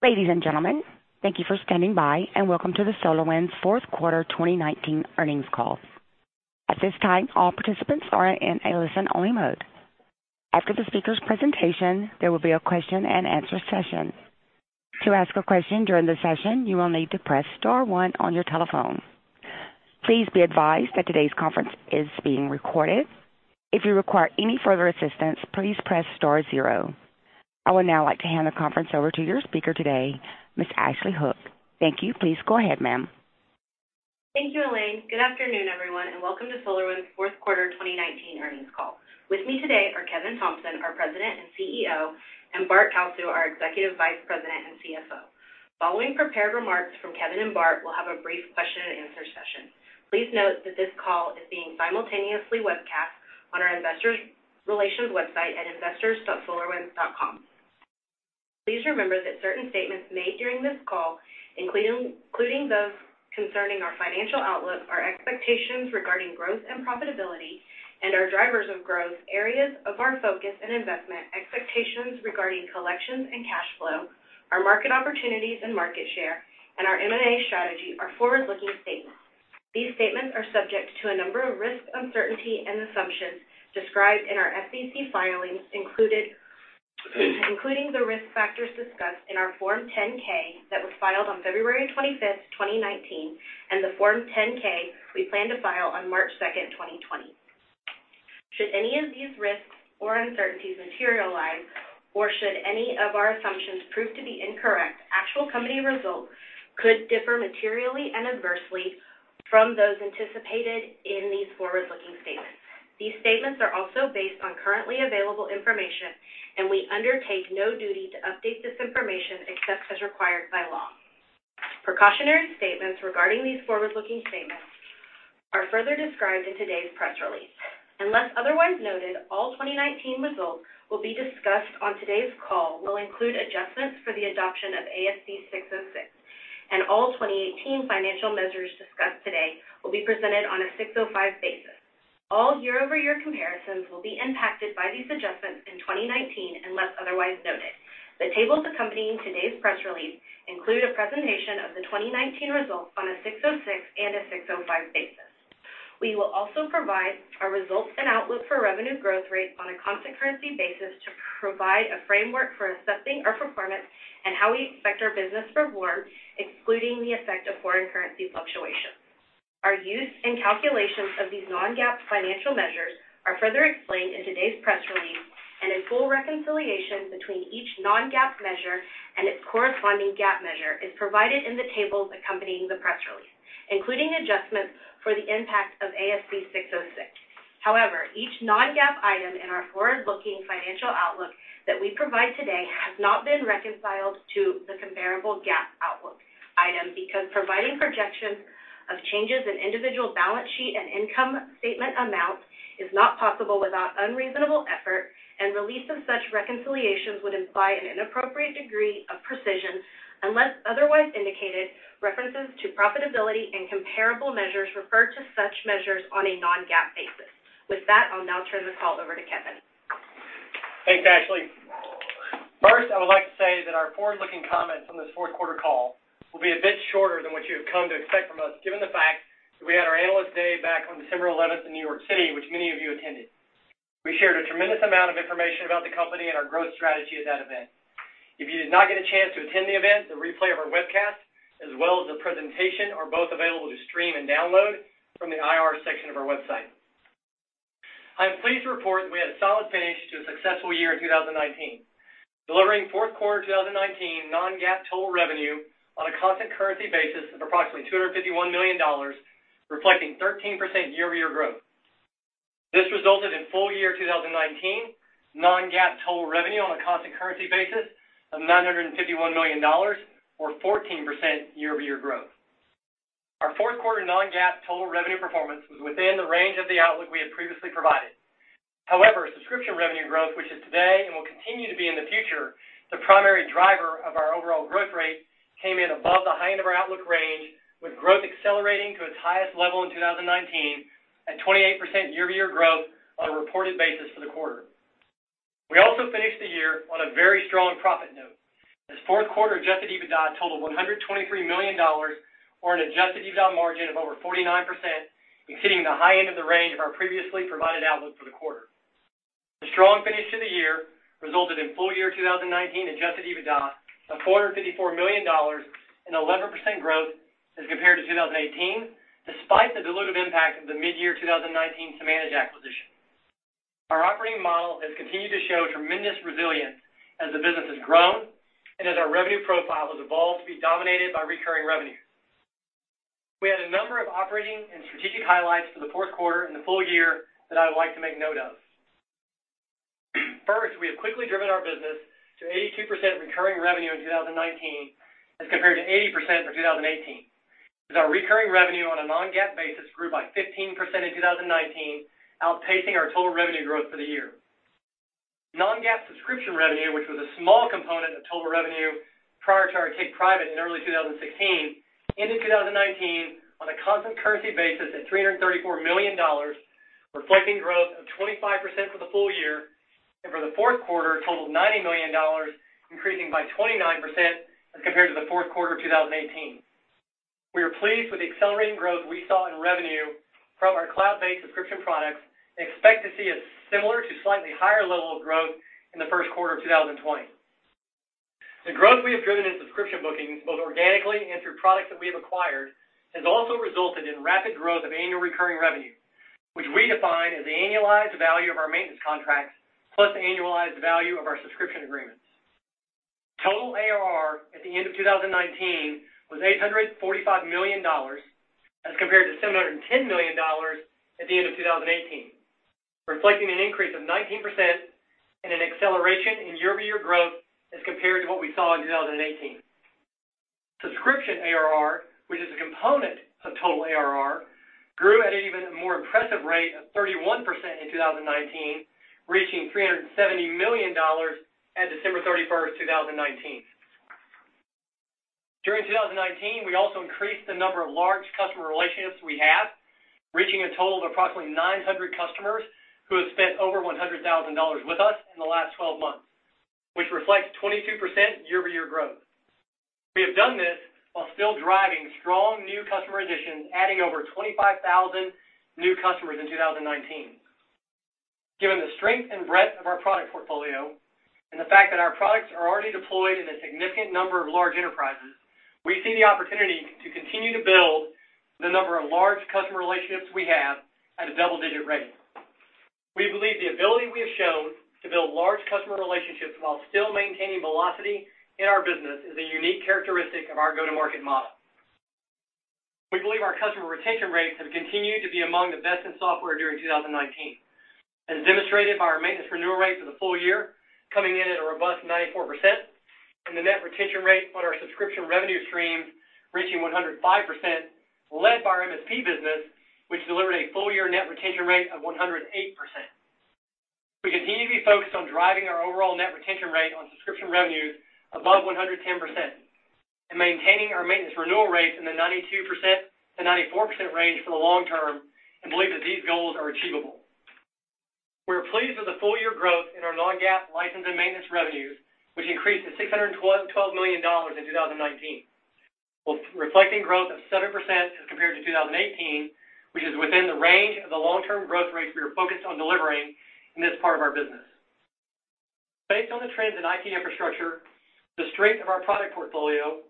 Ladies and gentlemen, thank you for standing by, and welcome to the SolarWinds fourth quarter 2019 earnings call. At this time, all participants are in a listen-only mode. After the speaker's presentation, there will be a question and answer session. To ask a question during the session, you will need to press star one on your telephone. Please be advised that today's conference is being recorded. If you require any further assistance, please press star zero. I would now like to hand the conference over to your speaker today, Ms. Ashley Hook. Thank you. Please go ahead, ma'am. Thank you, Elaine. Good afternoon, everyone, and welcome to SolarWinds' fourth quarter 2019 earnings call. With me today are Kevin Thompson, our President and CEO, and Bart Kalsu, our Executive Vice President and CFO. Following prepared remarks from Kevin and Bart, we'll have a brief question and answer session. Please note that this call is being simultaneously webcast on our investor relations website at investors.solarwinds.com. Please remember that certain statements made during this call, including those concerning our financial outlook, our expectations regarding growth and profitability, and our drivers of growth, areas of our focus and investment, expectations regarding collections and cash flow, our market opportunities and market share, and our M&A strategy are forward-looking statements. These statements are subject to a number of risks, uncertainty, and assumptions described in our SEC filings, including the risk factors discussed in our Form 10-K that was filed on February 25th, 2019, and the Form 10-K we plan to file on March 2nd, 2020. Should any of these risks or uncertainties materialize, or should any of our assumptions prove to be incorrect, actual company results could differ materially and adversely from those anticipated in these forward-looking statements. We undertake no duty to update this information except as required by law. Precautionary statements regarding these forward-looking statements are further described in today's press release. Unless otherwise noted, all 2019 results discussed on today's call include adjustments for the adoption of ASC 606, and all 2018 financial measures discussed today will be presented on an ASC 605 basis. All year-over-year comparisons will be impacted by these adjustments in 2019, unless otherwise noted. The tables accompanying today's press release include a presentation of the 2019 results on a 606 and a 605 basis. We will also provide our results and outlook for revenue growth rate on a constant currency basis to provide a framework for assessing our performance and how we expect our business to perform, excluding the effect of foreign currency fluctuations. Our use and calculations of these non-GAAP financial measures are further explained in today's press release, and a full reconciliation between each non-GAAP measure and its corresponding GAAP measure is provided in the tables accompanying the press release, including adjustments for the impact of ASC 606. However, each non-GAAP item in our forward-looking financial outlook that we provide today has not been reconciled to the comparable GAAP outlook item because providing projections of changes in individual balance sheet and income statement amounts is not possible without unreasonable effort, and release of such reconciliations would imply an inappropriate degree of precision. Unless otherwise indicated, references to profitability and comparable measures refer to such measures on a non-GAAP basis. With that, I'll now turn this call over to Kevin. Thanks, Ashley. First, I would like to say that our forward-looking comments on this fourth quarter call will be a bit shorter than what you have come to expect from us, given the fact that we had our Analyst Day back on December 11th in New York City, which many of you attended. We shared a tremendous amount of information about the company and our growth strategy at that event. If you did not get a chance to attend the event, the replay of our webcast, as well as the presentation, are both available to stream and download from the IR section of our website. I am pleased to report that we had a solid finish to a successful year in 2019, delivering fourth quarter 2019 non-GAAP total revenue on a constant currency basis of approximately $251 million, reflecting 13% year-over-year growth. This resulted in full year 2019 non-GAAP total revenue on a constant currency basis of $951 million, or 14% year-over-year growth. Our fourth quarter non-GAAP total revenue performance was within the range of the outlook we had previously provided. However, subscription revenue growth, which is today and will continue to be in the future the primary driver of our overall growth rate, came in above the high end of our outlook range, with growth accelerating to its highest level in 2019 at 28% year-over-year growth on a reported basis for the quarter. We also finished the year on a very strong profit note, as fourth quarter adjusted EBITDA totaled $123 million, or an adjusted EBITDA margin of over 49%, exceeding the high end of the range of our previously provided outlook for the quarter. The strong finish to the year resulted in full year 2019 adjusted EBITDA of $454 million and 11% growth as compared to 2018, despite the dilutive impact of the mid-year 2019 Samanage acquisition. Our operating model has continued to show tremendous resilience as the business has grown and as our revenue profile has evolved to be dominated by recurring revenue. We had a number of operating and strategic highlights for the fourth quarter and the full year that I would like to make note of. We have quickly driven our business to 82% recurring revenue in 2019 as compared to 80% for 2018, as our recurring revenue on a non-GAAP basis grew by 15% in 2019, outpacing our total revenue growth for the year. Non-GAAP subscription revenue, which was a small component of total revenue. Prior to our take private in early 2016, ended 2019 on a constant currency basis at $334 million, reflecting growth of 25% for the full year, and for the fourth quarter totaled $90 million, increasing by 29% as compared to the fourth quarter of 2018. We are pleased with the accelerating growth we saw in revenue from our cloud-based subscription products and expect to see a similar to slightly higher level of growth in the first quarter of 2020. The growth we have driven in subscription bookings, both organically and through products that we have acquired, has also resulted in rapid growth of annual recurring revenue, which we define as the annualized value of our maintenance contracts plus the annualized value of our subscription agreements. Total ARR at the end of 2019 was $845 million as compared to $710 million at the end of 2018, reflecting an increase of 19% and an acceleration in year-over-year growth as compared to what we saw in 2018. Subscription ARR, which is a component of total ARR, grew at an even more impressive rate of 31% in 2019, reaching $370 million at December 31st, 2019. During 2019, we also increased the number of large customer relationships we have, reaching a total of approximately 900 customers who have spent over $100,000 with us in the last 12 months, which reflects 22% year-over-year growth. We have done this while still driving strong new customer additions, adding over 25,000 new customers in 2019. Given the strength and breadth of our product portfolio and the fact that our products are already deployed in a significant number of large enterprises, we see the opportunity to continue to build the number of large customer relationships we have at a double-digit rate. We believe the ability we have shown to build large customer relationships while still maintaining velocity in our business is a unique characteristic of our go-to-market model. We believe our customer retention rates have continued to be among the best in software during 2019. As demonstrated by our maintenance renewal rates for the full year, coming in at a robust 94%, and the net retention rate on our subscription revenue stream reaching 105%, led by our MSP business, which delivered a full-year net retention rate of 108%. We continue to be focused on driving our overall net retention rate on subscription revenues above 110% and maintaining our maintenance renewal rates in the 92%-94% range for the long term and believe that these goals are achievable. We are pleased with the full-year growth in our non-GAAP license and maintenance revenues, which increased to $612 million in 2019, while reflecting growth of 7% as compared to 2018, which is within the range of the long-term growth rates we are focused on delivering in this part of our business. Based on the trends in IT infrastructure, the strength of our product portfolio,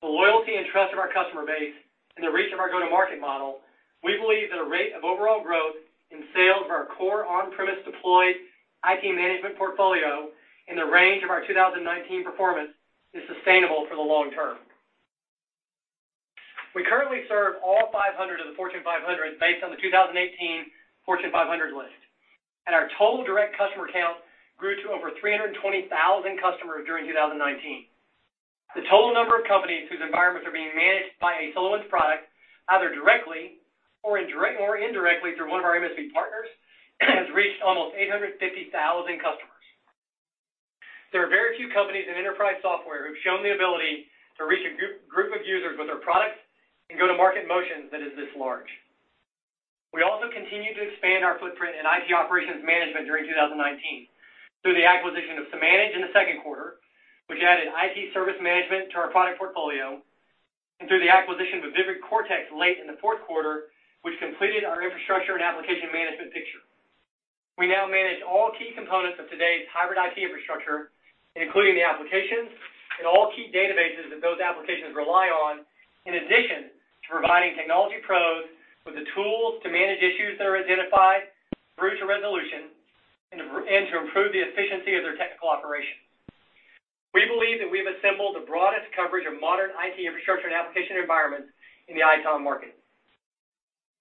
the loyalty and trust of our customer base, and the reach of our go-to-market model, we believe that a rate of overall growth in sales of our core on-premise deployed IT management portfolio in the range of our 2019 performance is sustainable for the long term. We currently serve all 500 of the Fortune 500 based on the 2018 Fortune 500 list. Our total direct customer count grew to over 320,000 customers during 2019. The total number of companies whose environments are being managed by a SolarWinds product, either directly or indirectly through one of our MSP partners, has reached almost 850,000 customers. There are very few companies in enterprise software who've shown the ability to reach a group of users with their products and go-to-market motions that is this large. We also continued to expand our footprint in IT operations management during 2019 through the acquisition of Samanage in the second quarter, which added IT service management to our product portfolio, and through the acquisition of VividCortex late in the fourth quarter, which completed our infrastructure and application management picture. We now manage all key components of today's hybrid IT infrastructure, including the applications and all key databases that those applications rely on, in addition to providing technology pros with the tools to manage issues that are identified, route to resolution, and to improve the efficiency of their technical operation. We believe that we've assembled the broadest coverage of modern IT infrastructure and application environments in the ITOM market.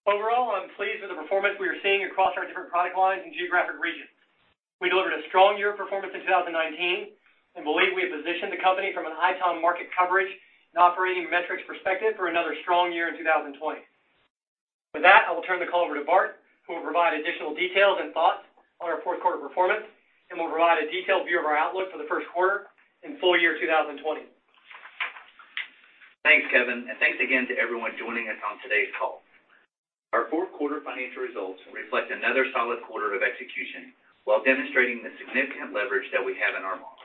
Overall, I'm pleased with the performance we are seeing across our different product lines and geographic regions. We delivered a strong year of performance in 2019 and believe we have positioned the company from an ITOM market coverage and operating metrics perspective for another strong year in 2020. With that, I will turn the call over to Bart, who will provide additional details and thoughts on our fourth quarter performance and will provide a detailed view of our outlook for the first quarter and full year 2020. Thanks, Kevin, and thanks again to everyone joining us on today's call. Our fourth quarter financial results reflect another solid quarter of execution while demonstrating the significant leverage that we have in our model.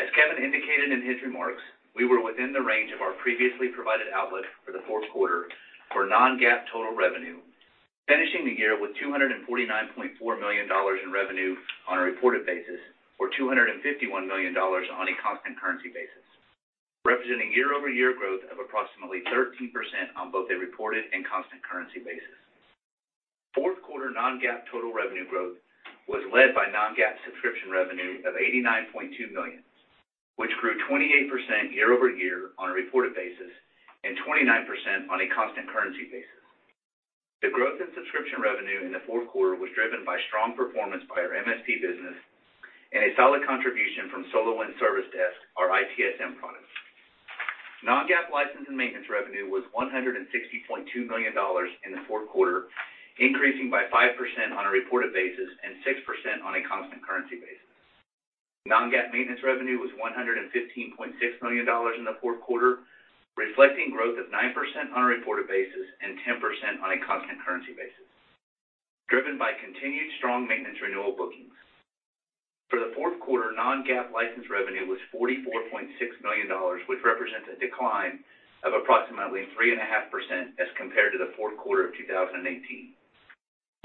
As Kevin indicated in his remarks, we were within the range of our previously provided outlook for the fourth quarter for non-GAAP total revenue, finishing the year with $249.4 million in revenue on a reported basis or $251 million on a constant currency basis, representing year-over-year growth of approximately 13% on both a reported and constant currency basis. fourth quarter non-GAAP total revenue growth was led by non-GAAP subscription revenue of $89.2 million, which grew 28% year-over-year on a reported basis and 29% on a constant currency basis. The growth in subscription revenue in the fourth quarter was driven by strong performance by our MSP business and a solid contribution from SolarWinds Service Desk, our ITSM product. Non-GAAP license and maintenance revenue was $160.2 million in the fourth quarter, increasing by 5% on a reported basis and 6% on a constant currency basis. Non-GAAP maintenance revenue was $115.6 million in the fourth quarter, reflecting growth of 9% on a reported basis and 10% on a constant currency basis, driven by continued strong maintenance renewal bookings. For the fourth quarter, non-GAAP licensed revenue was $44.6 million, which represents a decline of approximately 3.5% as compared to the fourth quarter of 2018.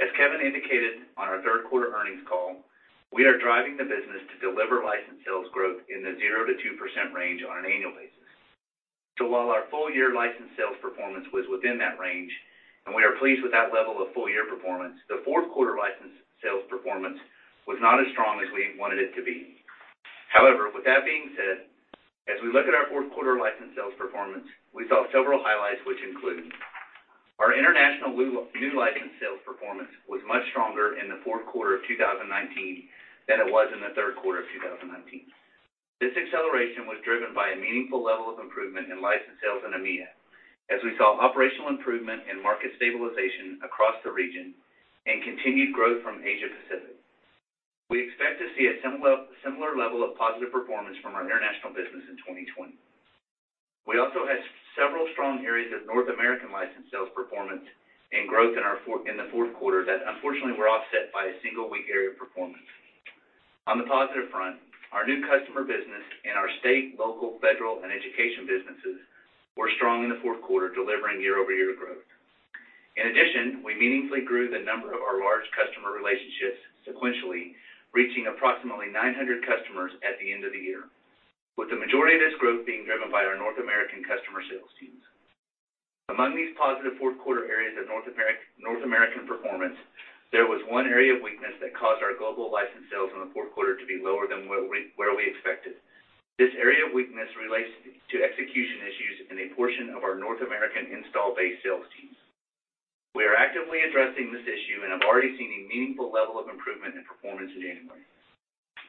As Kevin indicated on our third-quarter earnings call, we are driving the business to deliver license sales growth in the 0%-2% range on an annual basis. While our full-year license sales performance was within that range, and we are pleased with that level of full-year performance, the fourth quarter license sales performance was not as strong as we wanted it to be. With that being said, as we look at our fourth quarter license sales performance, we saw several highlights, which include our international new license sales performance was much stronger in the fourth quarter of 2019 than it was in the third quarter of 2019. This acceleration was driven by a meaningful level of improvement in license sales in EMEA, as we saw operational improvement and market stabilization across the region and continued growth from Asia-Pacific. We expect to see a similar level of positive performance from our international business in 2020. We also had several strong areas of North American license sales performance and growth in the fourth quarter that unfortunately were offset by a single weak area of performance. On the positive front, our new customer business and our state, local, federal, and education businesses were strong in the fourth quarter, delivering year-over-year growth. In addition, we meaningfully grew the number of our large customer relationships sequentially, reaching approximately 900 customers at the end of the year, with the majority of this growth being driven by our North American customer sales teams. Among these positive fourth quarter areas of North American performance, there was one area of weakness that caused our global license sales in the fourth quarter to be lower than where we expected. This area of weakness relates to execution issues in a portion of our North American install base sales teams. We are actively addressing this issue and have already seen a meaningful level of improvement in performance in January.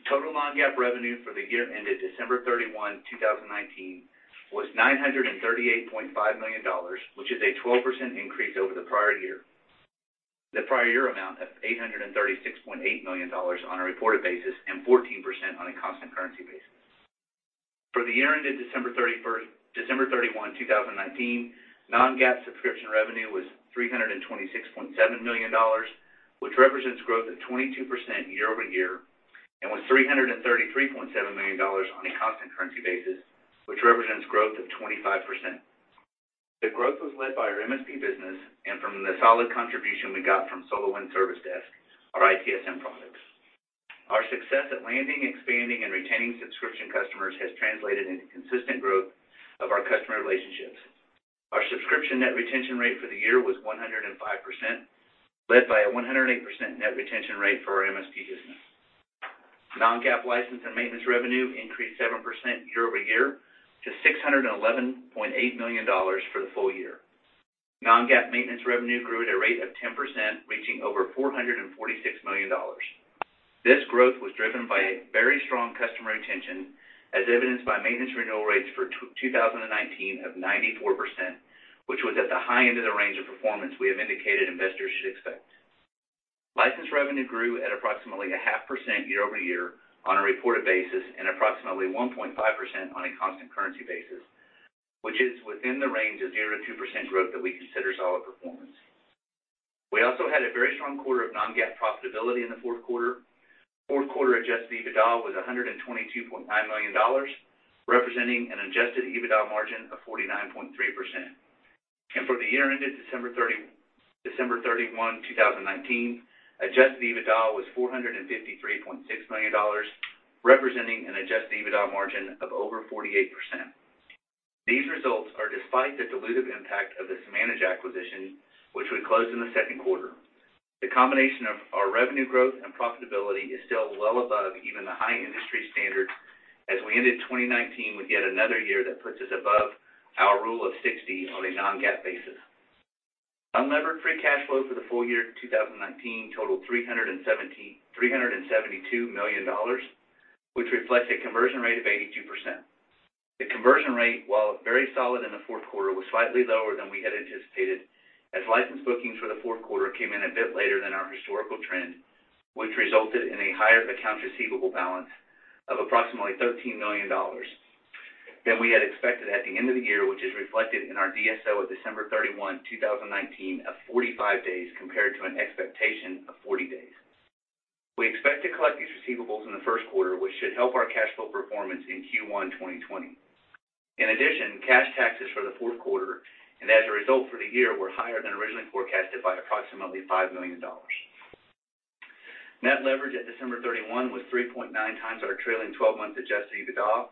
Total non-GAAP revenue for the year ended December 31, 2019, was $938.5 million, which is a 12% increase over the prior year. The prior year amount of $836.8 million on a reported basis, and 14% on a constant currency basis. For the year ended December 31, 2019, non-GAAP subscription revenue was $326.7 million, which represents growth of 22% year-over-year and was $333.7 million on a constant currency basis, which represents growth of 25%. The growth was led by our MSP business and from the solid contribution we got from SolarWinds Service Desk, our ITSM products. Our success at landing, expanding, and retaining subscription customers has translated into consistent growth of our customer relationships. Our subscription net retention rate for the year was 105%, led by a 108% net retention rate for our MSP business. Non-GAAP license and maintenance revenue increased 7% year-over-year to $611.8 million for the full year. Non-GAAP maintenance revenue grew at a rate of 10%, reaching over $446 million. This growth was driven by very strong customer retention, as evidenced by maintenance renewal rates for 2019 of 94%, which was at the high end of the range of performance we have indicated investors should expect. License revenue grew at approximately 0.5% year-over-year on a reported basis and approximately 1.5% on a constant currency basis, which is within the range of 0%-2% growth that we consider solid performance. We also had a very strong quarter of non-GAAP profitability in the fourth quarter. Fourth quarter adjusted EBITDA was $122.9 million, representing an adjusted EBITDA margin of 49.3%. For the year ended December 31, 2019, adjusted EBITDA was $453.6 million, representing an adjusted EBITDA margin of over 48%. These results are despite the dilutive impact of the Samanage acquisition, which we closed in the second quarter. The combination of our revenue growth and profitability is still well above even the high industry standards as we ended 2019 with yet another year that puts us above our rule of 60 on a non-GAAP basis. Unlevered free cash flow for the full year 2019 totaled $372 million, which reflects a conversion rate of 82%. The conversion rate, while very solid in the fourth quarter, was slightly lower than we had anticipated, as license bookings for the fourth quarter came in a bit later than our historical trend, which resulted in a higher accounts receivable balance of approximately $13 million than we had expected at the end of the year, which is reflected in our DSO of December 31, 2019, of 45 days compared to an expectation of 40 days. We expect to collect these receivables in the first quarter, which should help our cash flow performance in Q1 2020. In addition, cash taxes for the fourth quarter, and as a result for the year, were higher than originally forecasted by approximately $5 million. Net leverage at December 31 was 3.9x our trailing 12-month adjusted EBITDA,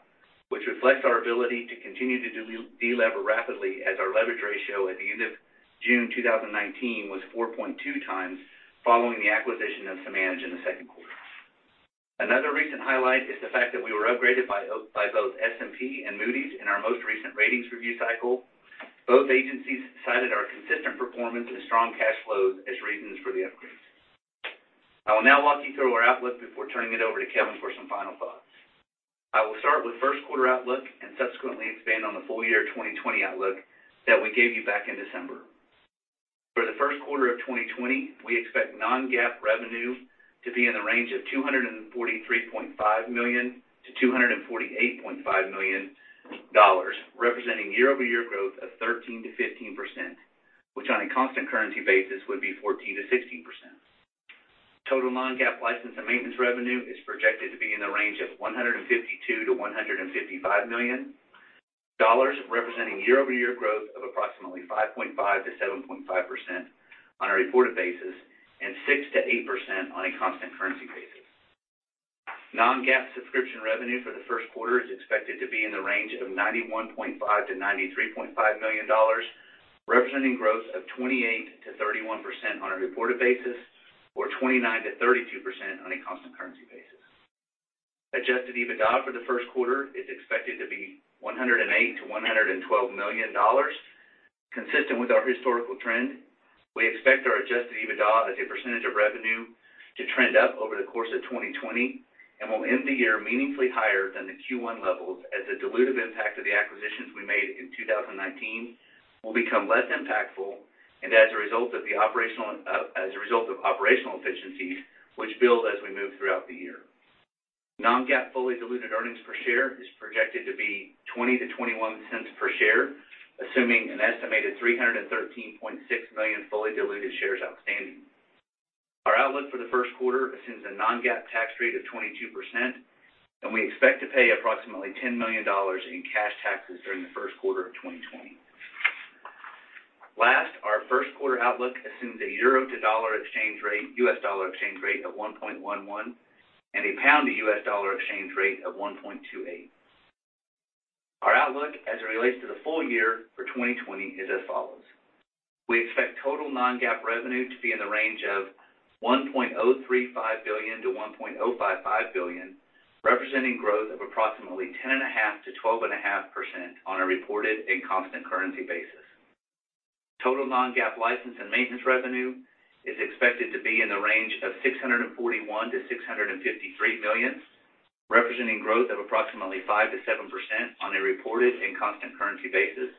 which reflects our ability to continue to delever rapidly as our leverage ratio at the end of June 2019 was 4.2xfollowing the acquisition of Samanage in the second quarter. Another recent highlight is the fact that we were upgraded by both S&P and Moody's in our most recent ratings review cycle. Both agencies cited our consistent performance and strong cash flows as reasons for the upgrades. I will now walk you through our outlook before turning it over to Kevin for some final thoughts. I will start with first quarter outlook, and subsequently expand on the full year 2020 outlook that we gave you back in December. For the first quarter of 2020, we expect non-GAAP revenue to be in the range of $243.5 million-$248.5 million, representing year-over-year growth of 13%-15%, which on a constant currency basis would be 14%-16%. Total non-GAAP license and maintenance revenue is projected to be in the range of $152 million-$155 million, representing year-over-year growth of approximately 5.5%-7.5% on a reported basis, and 6%-8% on a constant currency basis. Non-GAAP subscription revenue for the first quarter is expected to be in the range of $91.5 million-$93.5 million, representing growth of 28%-31% on a reported basis, or 29%-32% on a constant currency basis. Adjusted EBITDA for the first quarter is expected to be $108 million-$112 million. Consistent with our historical trend, we expect our adjusted EBITDA as a percentage of revenue to trend up over the course of 2020, and will end the year meaningfully higher than the Q1 levels, as the dilutive impact of the acquisitions we made in 2019 will become less impactful, and as a result of operational efficiencies which build as we move throughout the year. Non-GAAP fully diluted earnings per share is projected to be $0.20-$0.21 per share, assuming an estimated 313.6 million fully diluted shares outstanding. Our outlook for the first quarter assumes a non-GAAP tax rate of 22%, and we expect to pay approximately $10 million in cash taxes during the first quarter of 2020. Last, our first quarter outlook assumes a euro to U.S. dollar exchange rate of 1.11, and a pound to U.S. dollar exchange rate of 1.28. Our outlook as it relates to the full year for 2020 is as follows. We expect total non-GAAP revenue to be in the range of $1.035 billion-$1.055 billion, representing growth of approximately 10.5%-12.5% on a reported and constant currency basis. Total non-GAAP license and maintenance revenue is expected to be in the range of $641 million-$653 million, representing growth of approximately 5%-7% on a reported and constant currency basis.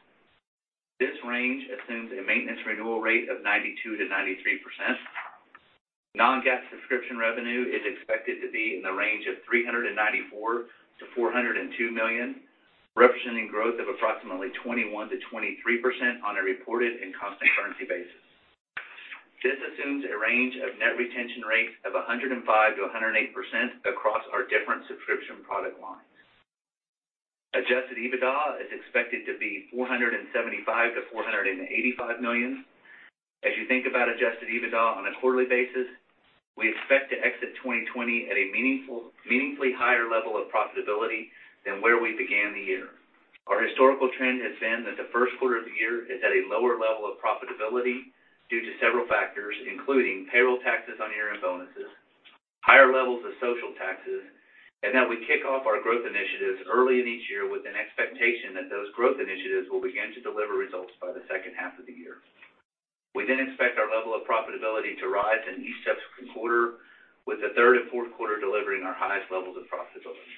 This range assumes a maintenance renewal rate of 92%-93%. Non-GAAP subscription revenue is expected to be in the range of $394 million-$402 million, representing growth of approximately 21%-23% on a reported and constant currency basis. This assumes a range of net retention rates of 105%-108% across our different subscription product lines. Adjusted EBITDA is expected to be $475 million-$485 million. As you think about adjusted EBITDA on a quarterly basis, we expect to exit 2020 at a meaningfully higher level of profitability than where we began the year. Our historical trend has been that the first quarter of the year is at a lower level of profitability due to several factors, including payroll taxes on year-end bonuses, higher levels of social taxes, and that we kick off our growth initiatives early in each year with an expectation that those growth initiatives will begin to deliver results by the second half of the year. We expect our level of profitability to rise in each subsequent quarter, with the third and fourth quarter delivering our highest levels of profitability.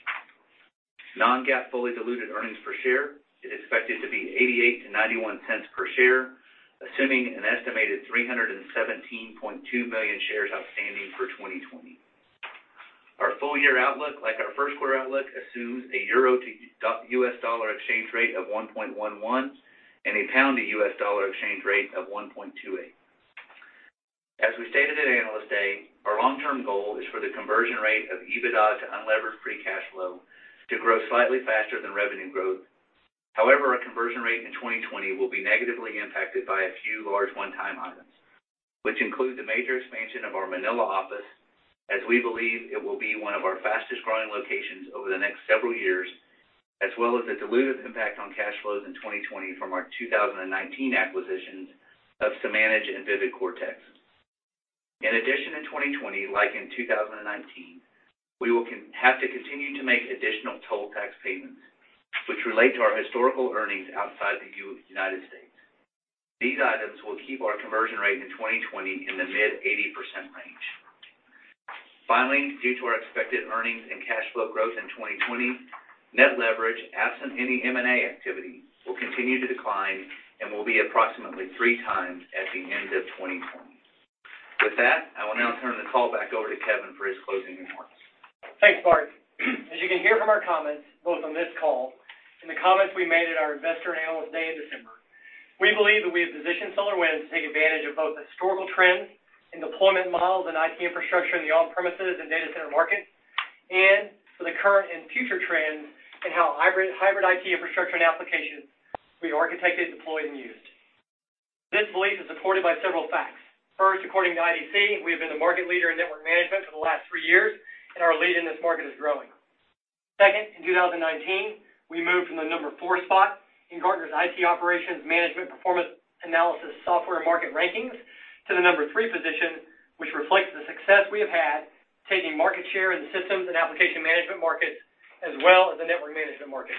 Non-GAAP fully diluted earnings per share is expected to be $0.88-$0.91 per share, assuming an estimated 317.2 million shares outstanding for 2020. Our full year outlook, like our first quarter outlook, assumes a euro to U.S. dollar exchange rate of 1.11, and pound to U.S. dollar exchange rate of 1.28. As we stated at Analyst Day, our long-term goal is for the conversion rate of EBITDA to unlevered free cash flow to grow slightly faster than revenue growth. However, our conversion rate in 2020 will be negatively impacted by a few large one-time items, which include the major expansion of our Manila office, as we believe it will be one of our fastest growing locations over the next several years, as well as the dilutive impact on cash flows in 2020 from our 2019 acquisitions of Samanage and VividCortex. In addition, in 2020, like in 2019, we will have to continue to make additional toll tax payments, which relate to our historical earnings outside the United States. These items will keep our conversion rate in 2020 in the mid 80% range. Finally, due to our expected earnings and cash flow growth in 2020, net leverage, absent any M&A activity, will continue to decline and will be approximately 3x at the end of 2020. With that, I will now turn the call back over to Kevin for his closing remarks. Thanks, Bart. As you can hear from our comments, both on this call and the comments we made at our Investor and Analyst Day in December, we believe that we have positioned SolarWinds to take advantage of both historical trends and deployment models and IT infrastructure in the on-premises and data center market, and for the current and future trends in how hybrid IT infrastructure and applications will be architected, deployed, and used. This belief is supported by several facts. First, according to IDC, we have been the market leader in network management for the last three years, and our lead in this market is growing. Second, in 2019, we moved from the number four spot in Gartner's IT Operations Management Performance Analysis Software Market rankings to the number three position, which reflects the success we have had taking market share in the systems and application management markets, as well as the network management market.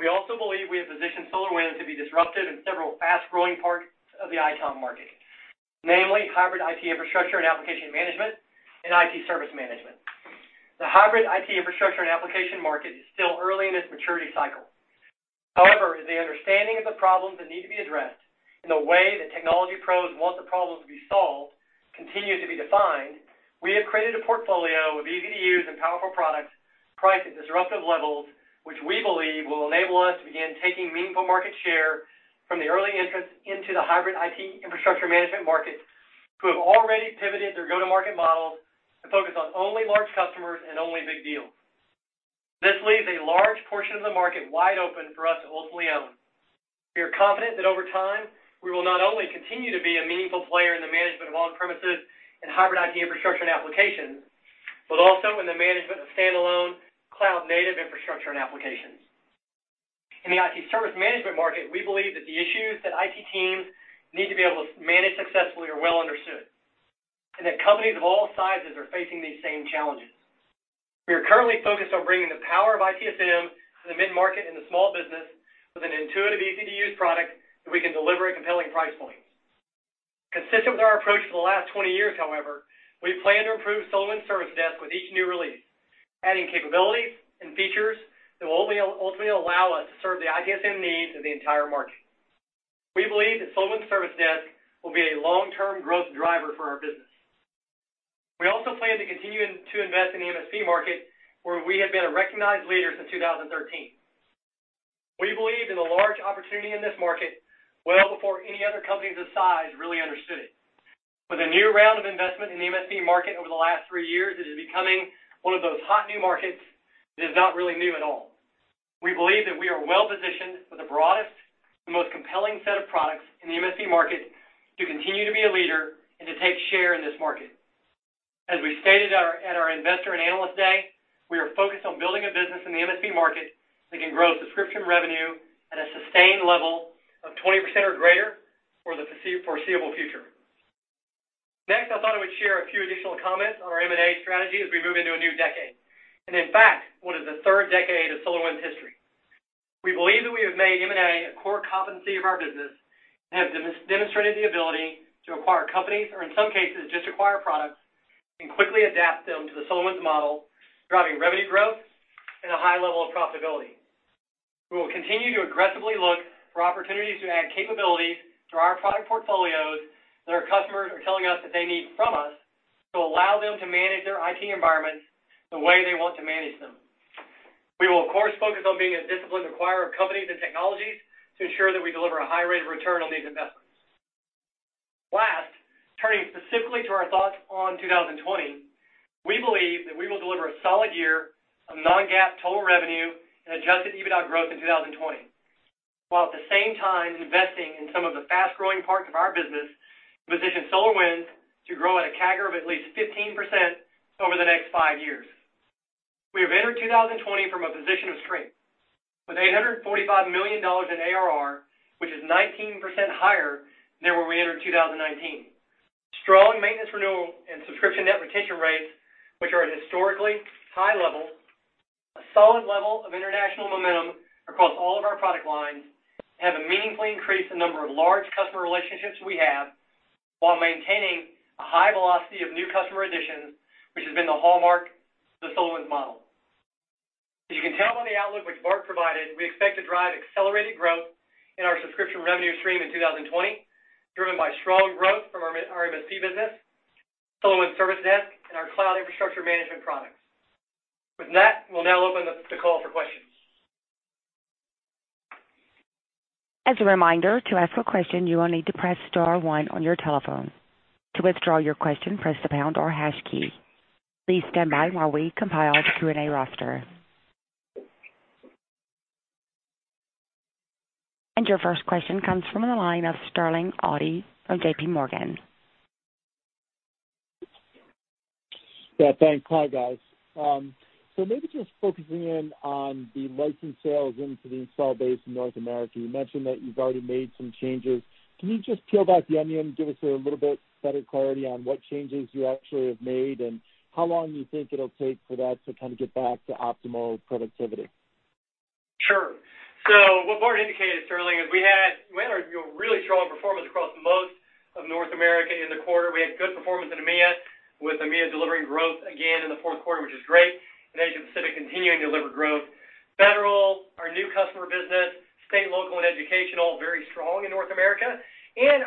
We also believe we have positioned SolarWinds to be disruptive in several fast-growing parts of the ITOM market, namely hybrid IT infrastructure and application management, and IT service management. The hybrid IT infrastructure and application market is still early in its maturity cycle. However, as the understanding of the problems that need to be addressed and the way that technology pros want the problems to be solved continues to be defined, we have created a portfolio of easy-to-use and powerful products priced at disruptive levels, which we believe will enable us to begin taking meaningful market share from the early entrants into the hybrid IT infrastructure management market, who have already pivoted their go-to-market models to focus on only large customers and only big deals. This leaves a large portion of the market wide open for us to ultimately own. We are confident that over time, we will not only continue to be a meaningful player in the management of on-premises and hybrid IT infrastructure and applications, but also in the management of standalone cloud-native infrastructure and applications. In the IT service management market, we believe that the issues that IT teams need to be able to manage successfully are well understood, and that companies of all sizes are facing these same challenges. We are currently focused on bringing the power of ITSM to the mid-market and the small business with an intuitive, easy-to-use product that we can deliver at compelling price points. Consistent with our approach for the last 20 years, however, we plan to improve SolarWinds Service Desk with each new release, adding capabilities and features that will ultimately allow us to serve the ITSM needs of the entire market. We believe that SolarWinds Service Desk will be a long-term growth driver for our business. We also plan to continue to invest in the MSP market, where we have been a recognized leader since 2013. We believed in the large opportunity in this market well before any other companies this size really understood it. With a new round of investment in the MSP market over the last three years, it is becoming one of those hot new markets that is not really new at all. We believe that we are well-positioned with the broadest and most compelling set of products in the MSP market to continue to be a leader and to take share in this market. As we stated at our Investor and Analyst Day, we are focused on building a business in the MSP market that can grow subscription revenue at a sustained level of 20% or greater for the foreseeable future. Next, I thought I would share a few additional comments on our M&A strategy as we move into a new decade, and in fact, what is the third decade of SolarWinds' history. We believe that we have made M&A a core competency of our business and have demonstrated the ability to acquire companies, or in some cases, just acquire products, and quickly adapt them to the SolarWinds model, driving revenue growth and a high level of profitability. We will continue to aggressively look for opportunities to add capabilities to our product portfolios that our customers are telling us that they need from us to allow them to manage their IT environments the way they want to manage them. We will, of course, focus on being a disciplined acquirer of companies and technologies to ensure that we deliver a high rate of return on these investments. Last, turning specifically to our thoughts on 2020, we believe that we will deliver a solid year of non-GAAP total revenue and adjusted EBITDA growth in 2020, while at the same time investing in some of the fast-growing parts of our business to position SolarWinds to grow at a CAGR of at least 15% over the next five years. We have entered 2020 from a position of strength. With $845 million in ARR, which is 19% higher than where we entered 2019. Strong maintenance renewal and subscription net retention rates, which are at historically high levels, a solid level of international momentum across all of our product lines, and have meaningfully increased the number of large customer relationships we have while maintaining a high velocity of new customer additions, which has been the hallmark of the SolarWinds model. As you can tell by the outlook which Bart provided, we expect to drive accelerated growth in our subscription revenue stream in 2020, driven by strong growth from our MSP business, SolarWinds Service Desk, and our cloud infrastructure management products. With that, we'll now open the call for questions. As a reminder, to ask a question, you will need to press star one on your telephone. To withdraw your question, press the pound or hash key. Please stand by while we compile the Q&A roster. Your first question comes from the line of Sterling Auty from JPMorgan. Yeah, thanks. Hi, guys. Maybe just focusing in on the license sales into the install base in North America. You mentioned that you've already made some changes. Can you just peel back the onion and give us a little bit better clarity on what changes you actually have made and how long you think it'll take for that to kind of get back to optimal productivity? Sure. What Bart indicated, Sterling, is we had really strong performance across most of North America in the quarter. We had good performance in EMEA, with EMEA delivering growth again in the fourth quarter, which is great, and Asia Pacific continuing to deliver growth. Federal, our new customer business, state, local, and educational, very strong in North America.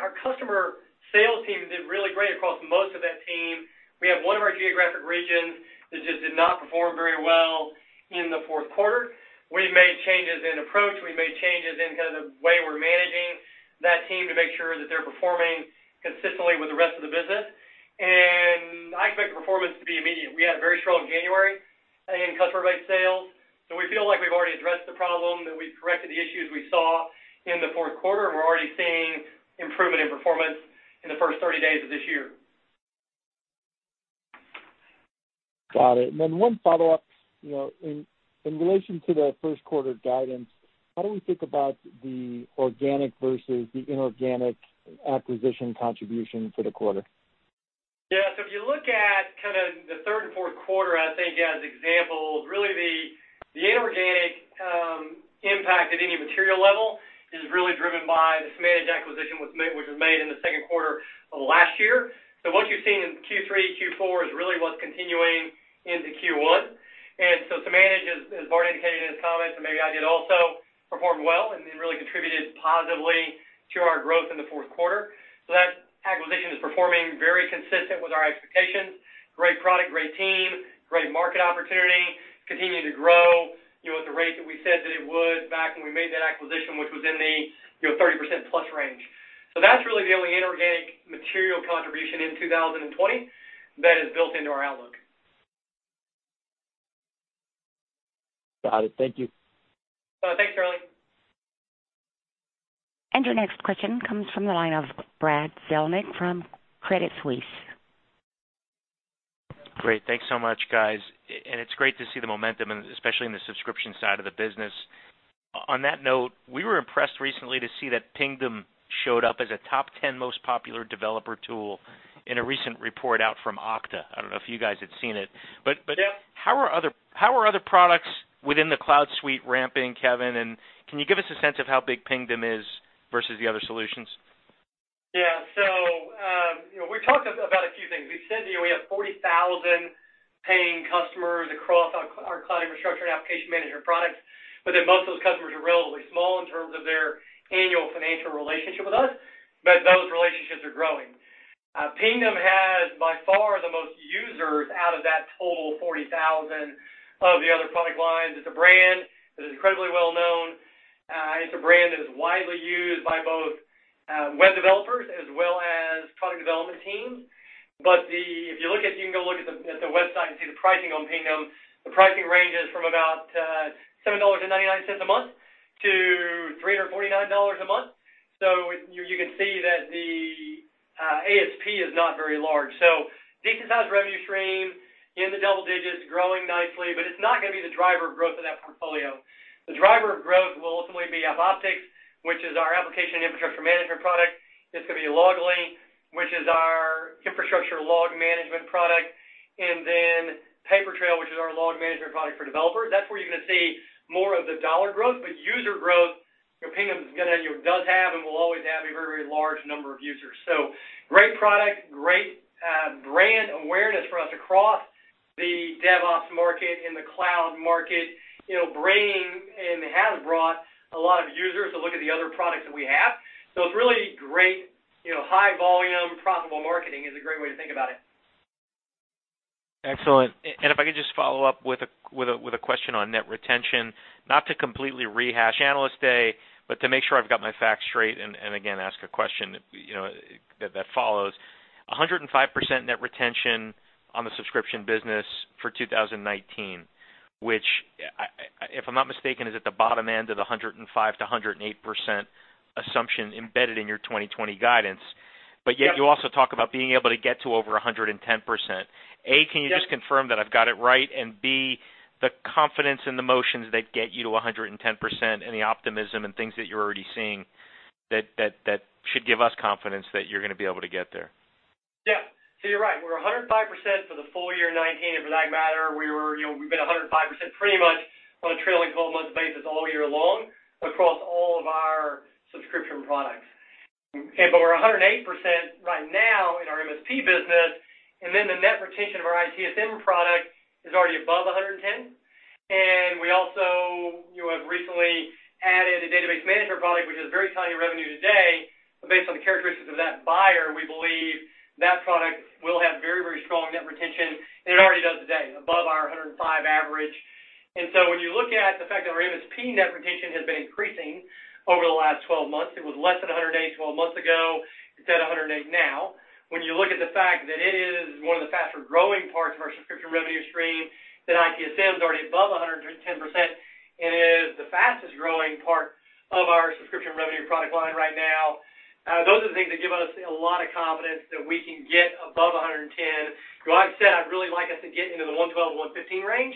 Our customer sales team did really great across most of that team. We have one of our geographic regions that just did not perform very well in the fourth quarter. We've made changes in approach. We've made changes in kind of the way we're managing that team to make sure that they're performing consistently with the rest of the business. I expect performance to be immediate. We had a very strong January in customer-based sales, so we feel like we've already addressed the problem, that we've corrected the issues we saw in the fourth quarter, and we're already seeing improvement in performance in the first 30 days of this year. Got it. One follow-up. In relation to the first quarter guidance, how do we think about the organic versus the inorganic acquisition contribution for the quarter? Yeah. If you look at kind of the third and fourth quarter, I think as examples, really the inorganic impact at any material level is really driven by the Samanage acquisition, which was made in the second quarter of last year. What you're seeing in Q3, Q4 is really what's continuing into Q1. Samanage, as Bart indicated in his comments, and maybe I did also, performed well and really contributed positively to our growth in the fourth quarter. That acquisition is performing very consistent with our expectations. Great product, great team, great market opportunity, continuing to grow at the rate that we said that it would back when we made that acquisition, which was in the 30%+ range. That's really the only inorganic material contribution in 2020 that is built into our outlook. Got it. Thank you. Thanks, Sterling. Your next question comes from the line of Brad Zelnick from Credit Suisse. Great. Thanks so much, guys. It's great to see the momentum, and especially in the subscription side of the business. On that note, we were impressed recently to see that Pingdom showed up as a top 10 most popular developer tool in a recent report out from Okta. I don't know if you guys had seen it. Yeah. How are other products within the CloudSuite ramping, Kevin, and can you give us a sense of how big Pingdom is versus the other solutions? We've talked about a few things. We've said we have 40,000 paying customers across our cloud infrastructure and application management products, most of those customers are relatively small in terms of their annual financial relationship with us, but those relationships are growing. Pingdom has, by far, the most users out of that total 40,000 of the other product lines. It's a brand that is incredibly well known. It's a brand that is widely used by both web developers as well as product development teams. If you can go look at the website and see the pricing on Pingdom, the pricing ranges from about $7.99 a month-$349 a month. You can see that the ASP is not very large. Decent-sized revenue stream in the double digits, growing nicely, but it's not going to be the driver of growth of that portfolio. The driver of growth will ultimately be AppOptics, which is our application infrastructure management product. It's going to be Loggly, which is our infrastructure log management product, and then Papertrail, which is our log management product for developers. That's where you're going to see more of the dollar growth. User growth, Pingdom does have and will always have a very large number of users. Great product, great brand awareness for us across the DevOps market, in the cloud market, bringing and has brought a lot of users to look at the other products that we have. It's really great high volume, profitable marketing is a great way to think about it. Excellent. If I could just follow up with a question on net retention, not to completely rehash Analyst Day, but to make sure I've got my facts straight and again, ask a question that follows. 105% net retention on the subscription business for 2019, which, if I'm not mistaken, is at the bottom end of the 105%-108% assumption embedded in your 2020 guidance. Yeah. Yet you also talk about being able to get to over 110%. A, can you just confirm that I've got it right? B, the confidence in the motions that get you to 110% and the optimism and things that you're already seeing that should give us confidence that you're going to be able to get there. You're right. We're 105% for the full year 2019, and for that matter, we've been 105% pretty much on a trailing 12-month basis all year long across all of our subscription products. We're 108% right now in our MSP business, and the net retention of our ITSM product is already above 110%. We also have recently added a database management product, which is very tiny revenue today, but based on the characteristics of that buyer, we believe that product will have very strong net retention, and it already does today, above our 105% average. When you look at the fact that our MSP net retention has been increasing over the last 12 months, it was less than 108% 12 months ago. It's at 108% now. When you look at the fact that it is one of the faster-growing parts of our subscription revenue stream, that ITSM is already above 110%, and is the fastest-growing part of our subscription revenue product line right now, those are the things that give us a lot of confidence that we can get above 110%. Like I've said, I'd really like us to get into the 112%-115% range.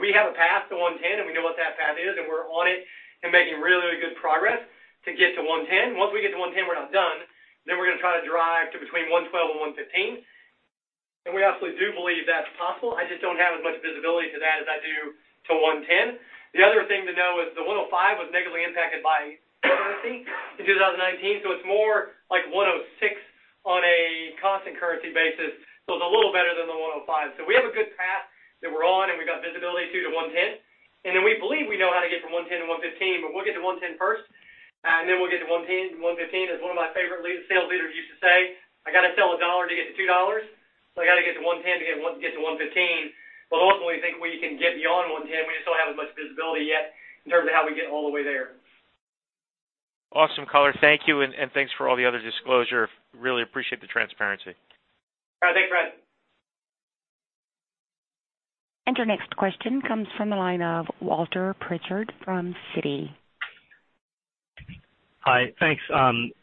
We have a path to 110%, and we know what that path is, and we're on it and making really good progress to get to 110%. Once we get to 110%, we're not done. We're going to try to drive to between 112% and 115%, and we absolutely do believe that's possible. I just don't have as much visibility to that as I do to 110%. The other thing to know is the 105% was negatively impacted by currency in 2019. It's more like 106% on a constant currency basis. It's a little better than the 105%. We have a good path that we're on, and we've got visibility to the 110%. We believe we know how to get from 110% to 115%, but we'll get to 110 first, and then we'll get to 115%. As one of my favorite sales leaders used to say, "I got to sell $1 to get to $2." I got to get to 110 to get to 115%. Ultimately, we think we can get beyond 110%. We just don't have as much visibility yet in terms of how we get all the way there. Awesome, Kevin. Thank you, and thanks for all the other disclosure. Really appreciate the transparency. All right. Thanks, Brad. Your next question comes from the line of Walter Pritchard from Citi. Hi. Thanks.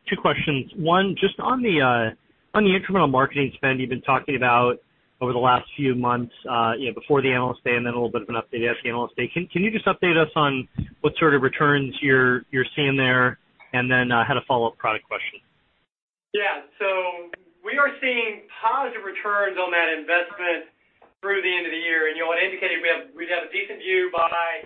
Two questions. One, just on the incremental marketing spend you've been talking about over the last few months, before the analyst day, and then a little bit of an update at the analyst day. Can you just update us on what sort of returns you're seeing there? I had a follow-up product question. Yeah. We are seeing positive returns on that investment through the end of the year. You indicated we'd have a decent view by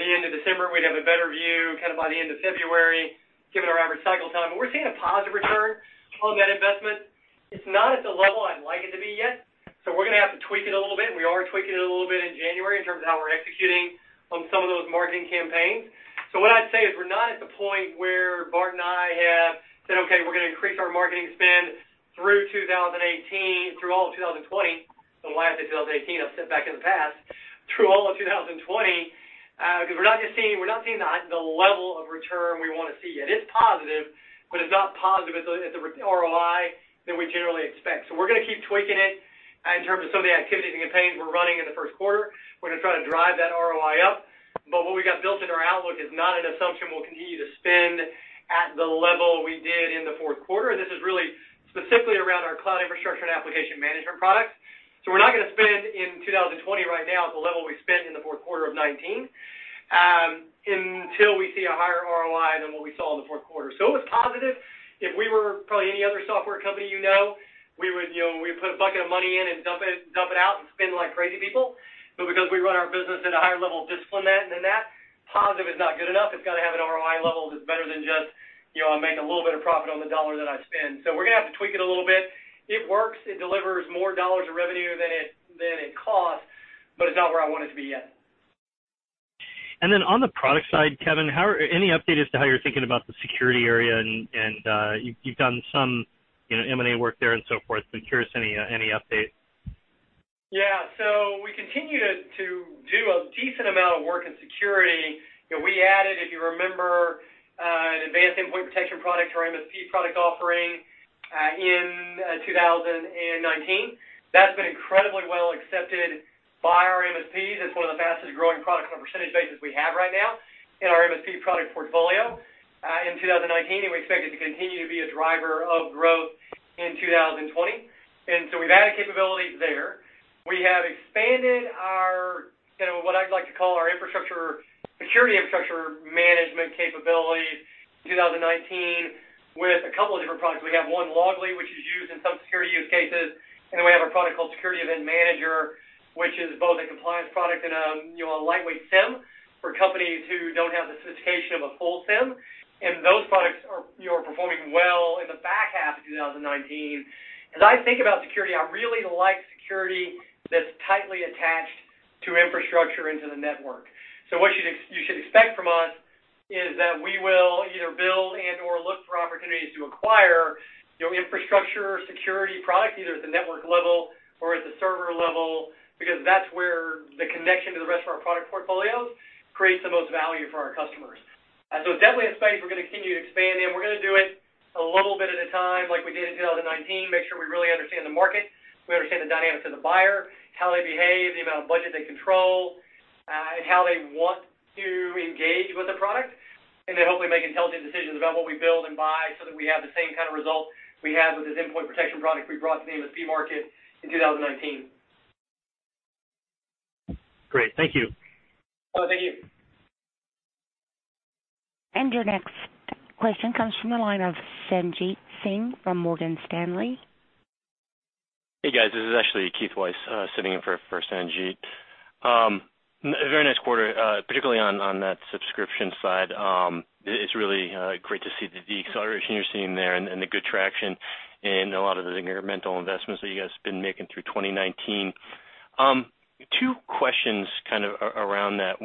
the end of December, we'd have a better view kind of by the end of February, given our average cycle time. We're seeing a positive return on that investment. It's not at the level I'd like it to be yet, so we're going to have to tweak it a little bit, and we are tweaking it a little bit in January in terms of how we're executing on some of those marketing campaigns. What I'd say is we're not at the point where Bart and I have said, "Okay, we're going to increase our marketing spend through 2018, through all of 2020." Why I say 2018, I've stepped back in the past, through all of 2020, because we're not seeing the level of return we want to see yet. It's positive, but it's not positive at the ROI that we generally expect. We're going to keep tweaking it in terms of some of the activities and campaigns we're running in the first quarter. We're going to try to drive that ROI up. What we got built into our outlook is not an assumption we'll continue to spend at the level we did in the fourth quarter, and this is really specifically around our cloud infrastructure and application management products. We're not going to spend in 2020 right now at the level we spent in the fourth quarter of 2019, until we see a higher ROI than what we saw in the fourth quarter. It was positive. If we were probably any other software company you know, we'd put a bucket of money in and dump it out and spend like crazy people. Because we run our business at a higher level of discipline than that, positive is not good enough. It's got to have an ROI level that's better than just, I'm making a little bit of profit on the one dollar that I spend. We're going to have to tweak it a little bit. It works. It delivers more dollars of revenue than it costs, but it's not where I want it to be yet. Then on the product side, Kevin, any update as to how you're thinking about the security area? You've done some M&A work there and so forth. I'm curious, any update? Yeah. We continue to do a decent amount of work in security. We added, if you remember, an advanced endpoint protection product to our MSP product offering in 2019. That's been incredibly well accepted by our MSPs. It's one of the fastest-growing products on a percentage basis we have right now in our MSP product portfolio in 2019, and we expect it to continue to be a driver of growth in 2020. We've added capabilities there. We have expanded our, what I'd like to call our security infrastructure management capability, 2019, with a couple of different products. We have one, Loggly, which is used in some security use cases, and then we have a product called Security Event Manager, which is both a compliance product and a lightweight SIEM for companies who don't have the sophistication of a full SIEM. Those products are performing well in the back half of 2019. As I think about security, I really like security that's tightly attached to infrastructure into the network. What you should expect from us is that we will either build and/or look for opportunities to acquire infrastructure security products, either at the network level or at the server level, because that's where the connection to the rest of our product portfolios creates the most value for our customers. It's definitely a space we're going to continue to expand in. We're going to do it a little bit at a time, like we did in 2019, make sure we really understand the market, we understand the dynamics of the buyer, how they behave, the amount of budget they control, how they want to engage with the product. To hopefully make intelligent decisions about what we build and buy so that we have the same kind of result we had with this endpoint protection product we brought to the MSP market in 2019. Great. Thank you. Thank you. Your next question comes from the line of Sanjit Singh from Morgan Stanley. Hey, guys, this is actually Keith Weiss, sitting in for Sanjit. Very nice quarter, particularly on that subscription side. It's really great to see the acceleration you're seeing there and the good traction in a lot of the incremental investments that you guys have been making through 2019. Two questions kind of around that.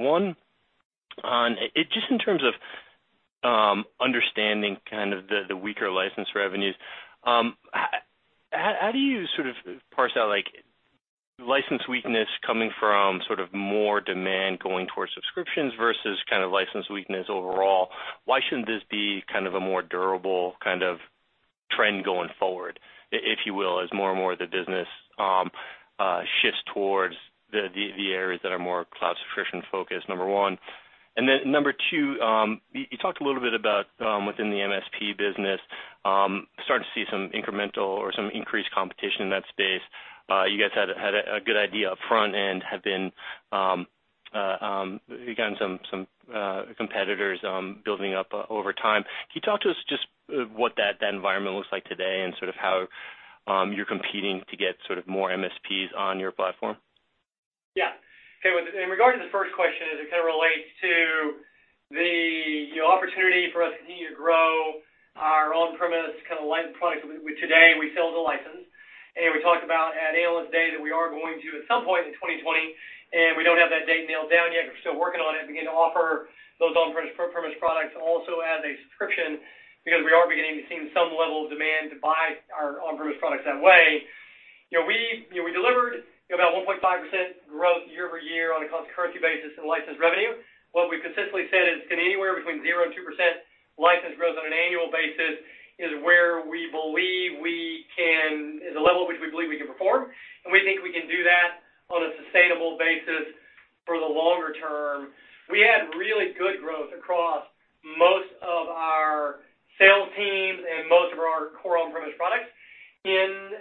Just in terms of understanding kind of the weaker license revenues. How do you sort of parse out license weakness coming from sort of more demand going towards subscriptions versus kind of license weakness overall? Why shouldn't this be kind of a more durable kind of trend going forward, if you will, as more and more of the business shifts towards the areas that are more cloud subscription-focused, number one. Number two, you talked a little bit about within the MSP business, starting to see some incremental or some increased competition in that space. You guys had a good idea up front and have gotten some competitors building up over time. Can you talk to us just what that environment looks like today and sort of how you're competing to get sort of more MSPs on your platform? Okay, in regard to the first question, as it kind of relates to the opportunity for us to continue to grow our on-premise kind of light product. Today, we sell the license, and we talked about at Analyst Day that we are going to, at some point in 2020, and we don't have that date nailed down yet, we're still working on it, begin to offer those on-premise products also as a subscription because we are beginning to see some level of demand to buy our on-premise products that way. We delivered about 1.5% growth year-over-year on a constant currency basis in licensed revenue. What we've consistently said is anywhere between 0%-2% license growth on an annual basis is the level at which we believe we can perform, and we think we can do that on a sustainable basis for the longer term. We had really good growth across most of our sales teams and most of our core on-premise products in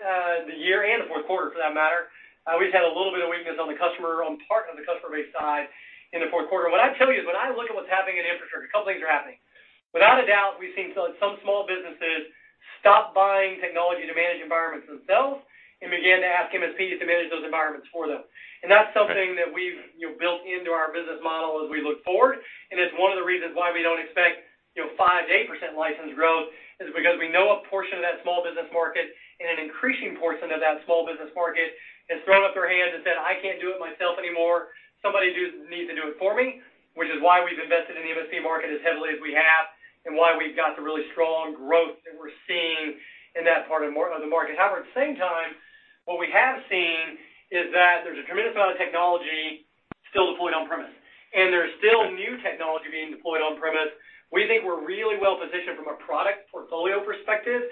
the year and the fourth quarter for that matter. We've had a little bit of weakness on the customer-on part of the customer base side in the fourth quarter. What I'd tell you is, when I look at what's happening in infrastructure, a couple of things are happening. Without a doubt, we've seen some small businesses stop buying technology to manage environments themselves and begin to ask MSPs to manage those environments for them. That's something that we've built into our business model as we look forward, and it's one of the reasons why we don't expect 5%-8% license growth is because we know a portion of that small business market and an increasing portion of that small business market has thrown up their hands and said, "I can't do it myself anymore. Somebody needs to do it for me," which is why we've invested in the MSP market as heavily as we have, and why we've got the really strong growth that we're seeing in that part of the market. At the same time, what we have seen is that there's a tremendous amount of technology still deployed on-premise, and there's still new technology being deployed on-premise. We think we're really well-positioned from a product portfolio perspective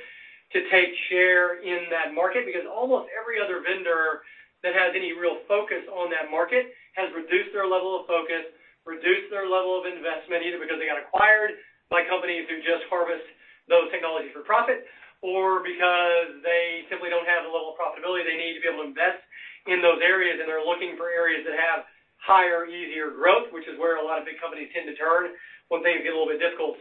to take share in that market because almost every other vendor that has any real focus on that market has reduced their level of focus, reduced their level of investment, either because they got acquired by companies who just harvest those technologies for profit or because they simply don't have the level of profitability they need to be able to invest in those areas, and they're looking for areas that have higher, easier growth, which is where a lot of big companies tend to turn when things get a little bit difficult.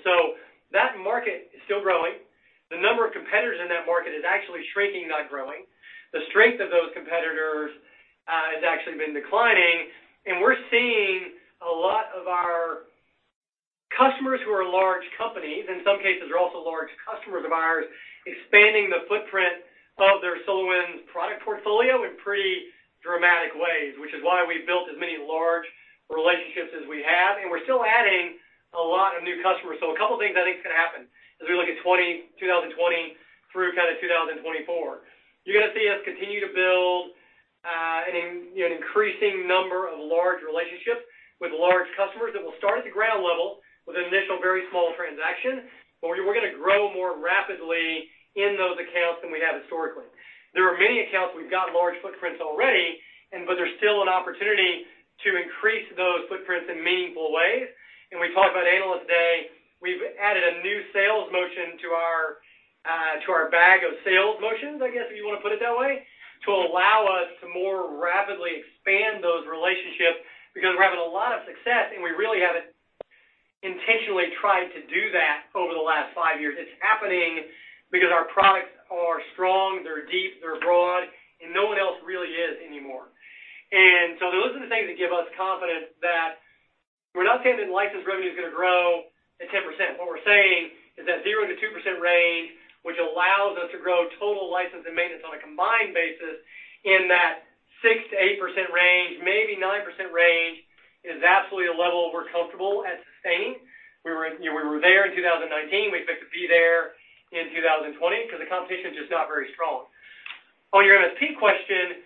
That market is still growing. The number of competitors in that market is actually shrinking, not growing. The strength of those competitors has actually been declining, and we're seeing a lot of our customers who are large companies, in some cases, they're also large customers of ours, expanding the footprint of their SolarWinds product portfolio in pretty dramatic ways, which is why we've built as many large relationships as we have, and we're still adding a lot of new customers. A couple things I think is going to happen as we look at 2020 through 2024. You're going to see us continue to build an increasing number of large relationships with large customers that will start at the ground level with an initial, very small transaction, but we're going to grow more rapidly in those accounts than we have historically. There are many accounts where we've got large footprints already, but there's still an opportunity to increase those footprints in meaningful ways. We talked about analyst day. We've added a new sales motion to our bag of sales motions, I guess, if you want to put it that way, to allow us to more rapidly expand those relationships because we're having a lot of success, and we really haven't intentionally tried to do that over the last five years. It's happening because our products are strong, they're deep, they're broad, and no one else really is anymore. Those are the things that give us confidence that we're not saying that license revenue is going to grow at 10%. What we're saying is that 0%-2% range, which allows us to grow total license and maintenance on a combined basis in that 6%-8% range, maybe 9% range, is absolutely a level we're comfortable at sustaining. We were there in 2019. We expect to be there in 2020 because the competition's just not very strong. On your MSP question,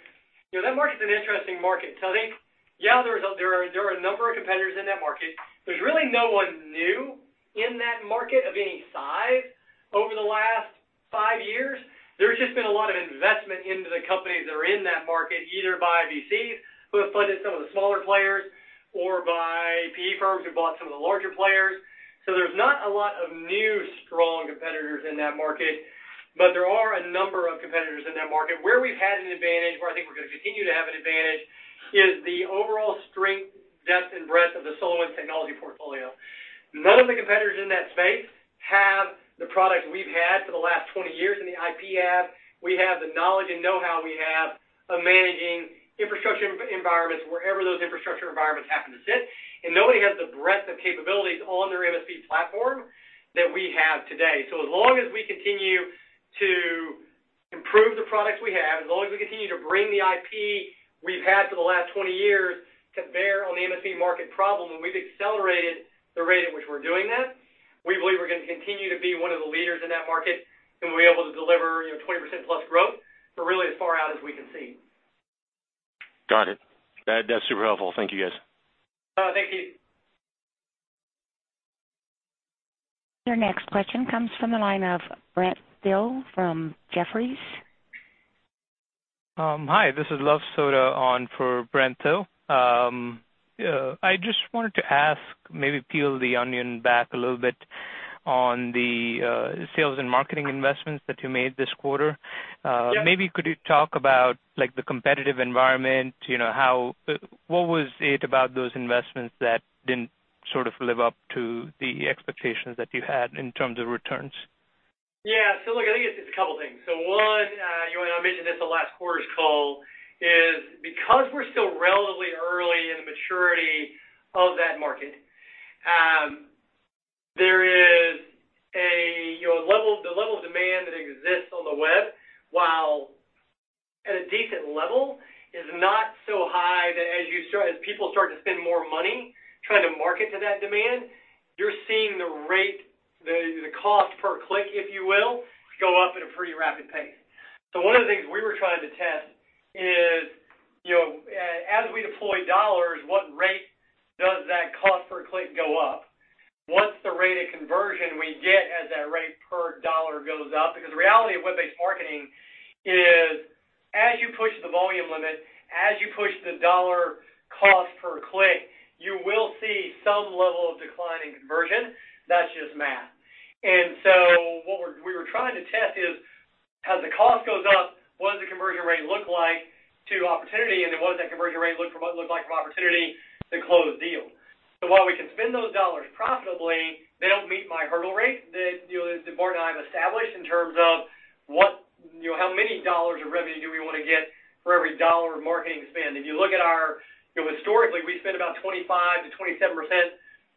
that market's an interesting market. I think, yeah, there are a number of competitors in that market. There's really no one new in that market of any size over the last five years. There's just been a lot of investment into the companies that are in that market, either by VCs who have funded some of the smaller players or by PE firms who bought some of the larger players. There's not a lot of new, strong competitors in that market, but there are a number of competitors in that market. Where we've had an advantage, where I think we're going to continue to have an advantage is the overall strength, depth, and breadth of the SolarWinds technology portfolio. None of the competitors in that space have the products we've had for the last 20 years and the IP we have. We have the knowledge and know-how we have of managing infrastructure environments wherever those infrastructure environments happen to sit, and nobody has the breadth of capabilities on their MSP platform that we have today. As long as we continue to improve the products we have, as long as we continue to bring the IP we've had for the last 20 years to bear on the MSP market problem, and we've accelerated the rate at which we're doing that, we believe we're going to continue to be one of the leaders in that market, and we'll be able to deliver 20% plus growth for really as far out as we can see. Got it. That's super helpful. Thank you, guys. Thank you. Your next question comes from the line of Brent Thill from Jefferies. Hi, this is Luv Sodha on for Brent Thill. I just wanted to ask, maybe peel the onion back a little bit on the sales and marketing investments that you made this quarter. Yeah. Maybe could you talk about the competitive environment? What was it about those investments that didn't sort of live up to the expectations that you had in terms of returns? Yeah. Look, I think it's a couple things. One, and I mentioned this in the last quarter's call, is because we're still relatively early in the maturity of that market there is the level of demand that exists on the web, while at a decent level, is not so high that as people start to spend more money trying to market to that demand, you're seeing the rate, the cost per click, if you will, go up at a pretty rapid pace. One of the things we were trying to test is, as we deploy dollars, what rate does that cost per click go up? What's the rate of conversion we get as that rate per dollar goes up? The reality of web-based marketing is. As you push the volume limit, as you push the dollar cost per click, you will see some level of decline in conversion. That's just math. What we were trying to test is, as the cost goes up, what does the conversion rate look like to opportunity, and then what does that conversion rate look like from opportunity to closed deal? While we can spend those dollars profitably, they don't meet my hurdle rate that Bart and I have established in terms of how many dollars of revenue do we want to get for every dollar of marketing spend. Historically, we spend about 25%-27%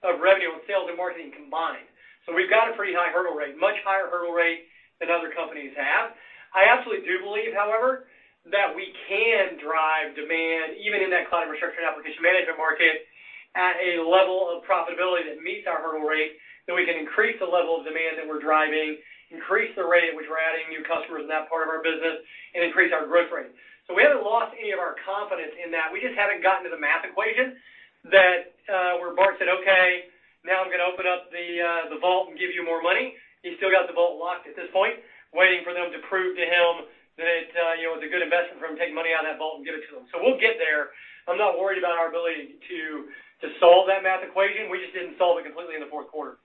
of revenue on sales and marketing combined. We've got a pretty high hurdle rate, much higher hurdle rate than other companies have. I absolutely do believe, however, that we can drive demand, even in that cloud infrastructure and application management market, at a level of profitability that meets our hurdle rate, that we can increase the level of demand that we're driving, increase the rate at which we're adding new customers in that part of our business, and increase our growth rate. We haven't lost any of our confidence in that. We just haven't gotten to the math equation that where Bart said, "Okay, now I'm going to open up the vault and give you more money." He's still got the vault locked at this point, waiting for them to prove to him that it's a good investment for him to take money out of that vault and give it to them. We'll get there. I'm not worried about our ability to solve that math equation. We just didn't solve it completely in the fourth quarter.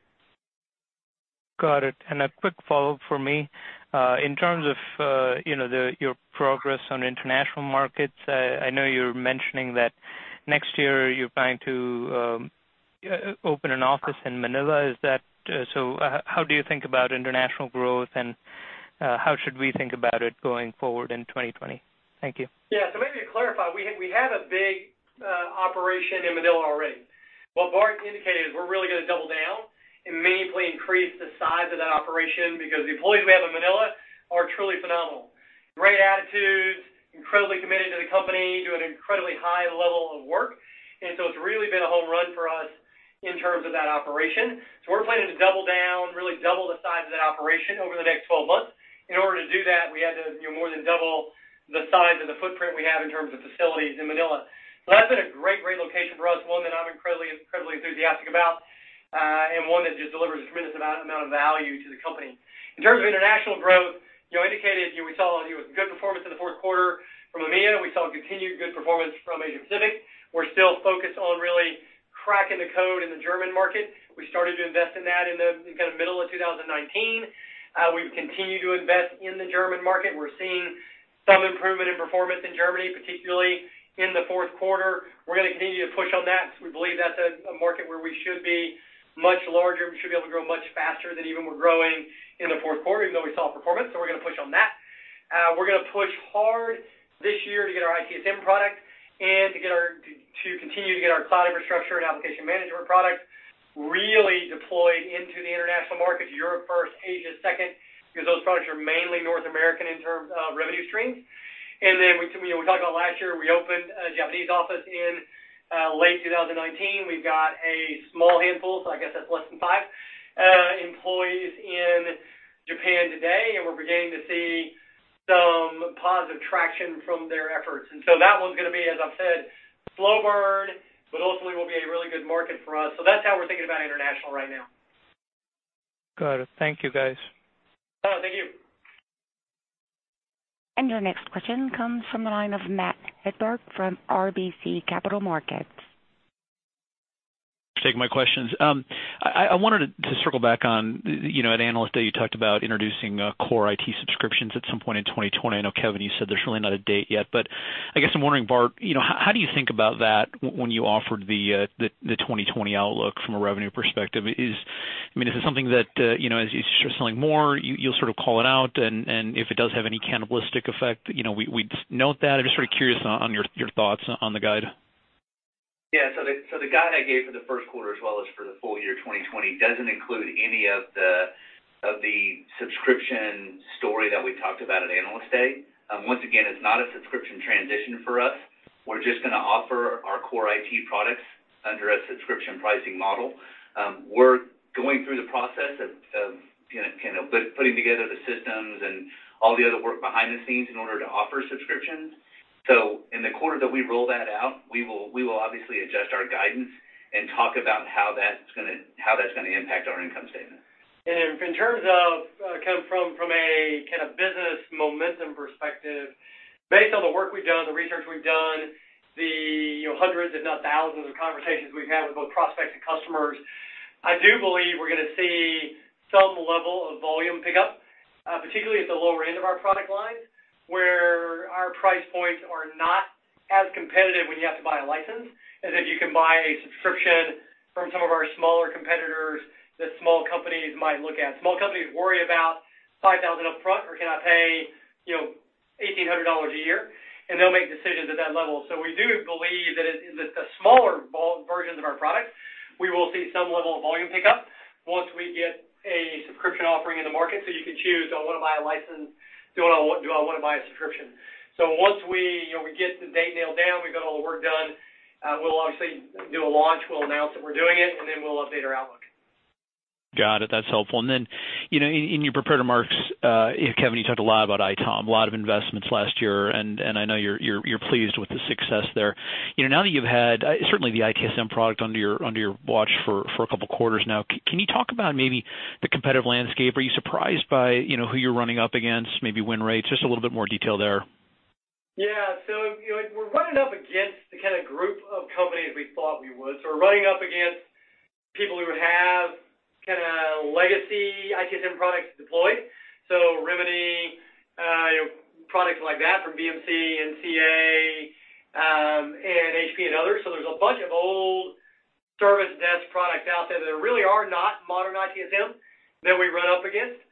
Got it. A quick follow-up from me. In terms of your progress on international markets, I know you're mentioning that next year you're planning to open an office in Manila. How do you think about international growth, and how should we think about it going forward in 2020? Thank you. Maybe to clarify, we had a big operation in Manila already. What Bart indicated is we're really going to double down and meaningfully increase the size of that operation because the employees we have in Manila are truly phenomenal. Great attitudes, incredibly committed to the company, do an incredibly high level of work. It's really been a home run for us in terms of that operation. We're planning to double down, really double the size of that operation over the next 12 months. In order to do that, we had to more than double the size of the footprint we have in terms of facilities in Manila. That's been a great location for us, one that I'm incredibly enthusiastic about, and one that just delivers a tremendous amount of value to the company. In terms of international growth, we saw good performance in the fourth quarter from EMEA. We saw continued good performance from Asia-Pacific. We're still focused on really cracking the code in the German market. We started to invest in that in the middle of 2019. We've continued to invest in the German market. We're seeing some improvement in performance in Germany, particularly in the fourth quarter. We're going to continue to push on that because we believe that's a market where we should be much larger. We should be able to grow much faster than even we're growing in the fourth quarter, even though we saw performance. We're going to push on that. We're going to push hard this year to get our ITSM product and to continue to get our cloud infrastructure and application management product really deployed into the international market, Europe first, Asia second, because those products are mainly North American in terms of revenue streams. We talked about last year, we opened a Japanese office in late 2019. We've got a small handful, so I guess that's less than five, employees in Japan today, and we're beginning to see some positive traction from their efforts. That one's going to be, as I've said, slow burn, but ultimately will be a really good market for us. That's how we're thinking about international right now. Got it. Thank you, guys. Thank you. Your next question comes from the line of Matt Hedberg from RBC Capital Markets. Thanks for taking my questions. I wanted to circle back, at Analyst Day, you talked about introducing core IT subscriptions at some point in 2020. I know, Kevin, you said there's really not a date yet, but I guess I'm wondering, Bart, how do you think about that when you offered the 2020 outlook from a revenue perspective? Is this something that as you start selling more, you'll sort of call it out, and if it does have any cannibalistic effect, we'd note that? I'm just very curious on your thoughts on the guide. Yeah. The guide I gave for the first quarter as well as for the full year 2020 doesn't include any of the subscription story that we talked about at Analyst Day. Once again, it's not a subscription transition for us. We're just going to offer our core IT products under a subscription pricing model. We're going through the process of putting together the systems and all the other work behind the scenes in order to offer subscriptions. In the quarter that we roll that out, we will obviously adjust our guidance and talk about how that's going to impact our income statement. In terms of, Kevin, from a kind of business momentum perspective, based on the work we've done, the research we've done, the hundreds if not thousands of conversations we've had with both prospects and customers, I do believe we're going to see some level of volume pickup, particularly at the lower end of our product line, where our price points are not as competitive when you have to buy a license, as if you can buy a subscription from some of our smaller competitors that small companies might look at. Small companies worry about $5,000 up front or cannot pay $1,800 a year, and they'll make decisions at that level. We do believe that in the smaller versions of our product, we will see some level of volume pickup once we get a subscription offering in the market. You can choose, do I want to buy a license? Do I want to buy a subscription? Once we get the date nailed down, we've got all the work done, we'll obviously do a launch. We'll announce that we're doing it, and then we'll update our outlook. Got it. That's helpful. In your prepared remarks, Kevin, you talked a lot about ITOM, a lot of investments last year, and I know you're pleased with the success there. Now that you've had certainly the ITSM product under your watch for a couple of quarters now, can you talk about maybe the competitive landscape? Are you surprised by who you're running up against, maybe win rates? Just a little bit more detail there. Yeah. We're running up against the kind of group of companies we thought we would. We're running up against people who have kind of legacy ITSM products deployed. Remedy, products like that from BMC and CA, and HP, and others. There's a bunch of old service desk products out there that really are not modern ITSM that we run up against.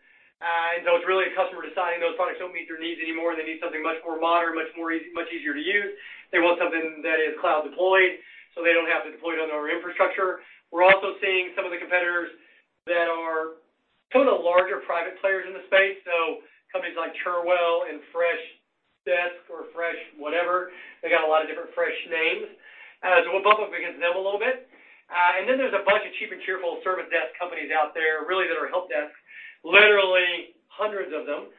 It's really a customer deciding those products don't meet their needs anymore. They need something much more modern, much easier to use. They want something that is cloud deployed, so they don't have to deploy it on their infrastructure. We're also seeing some of the competitors that are some of the larger private players in the space. Companies like Cherwell and Freshdesk or Fresh whatever, they got a lot of different fresh names. We'll bump up against them a little bit. There's a bunch of cheap and cheerful service desk companies out there really that are help desks, literally hundreds of them.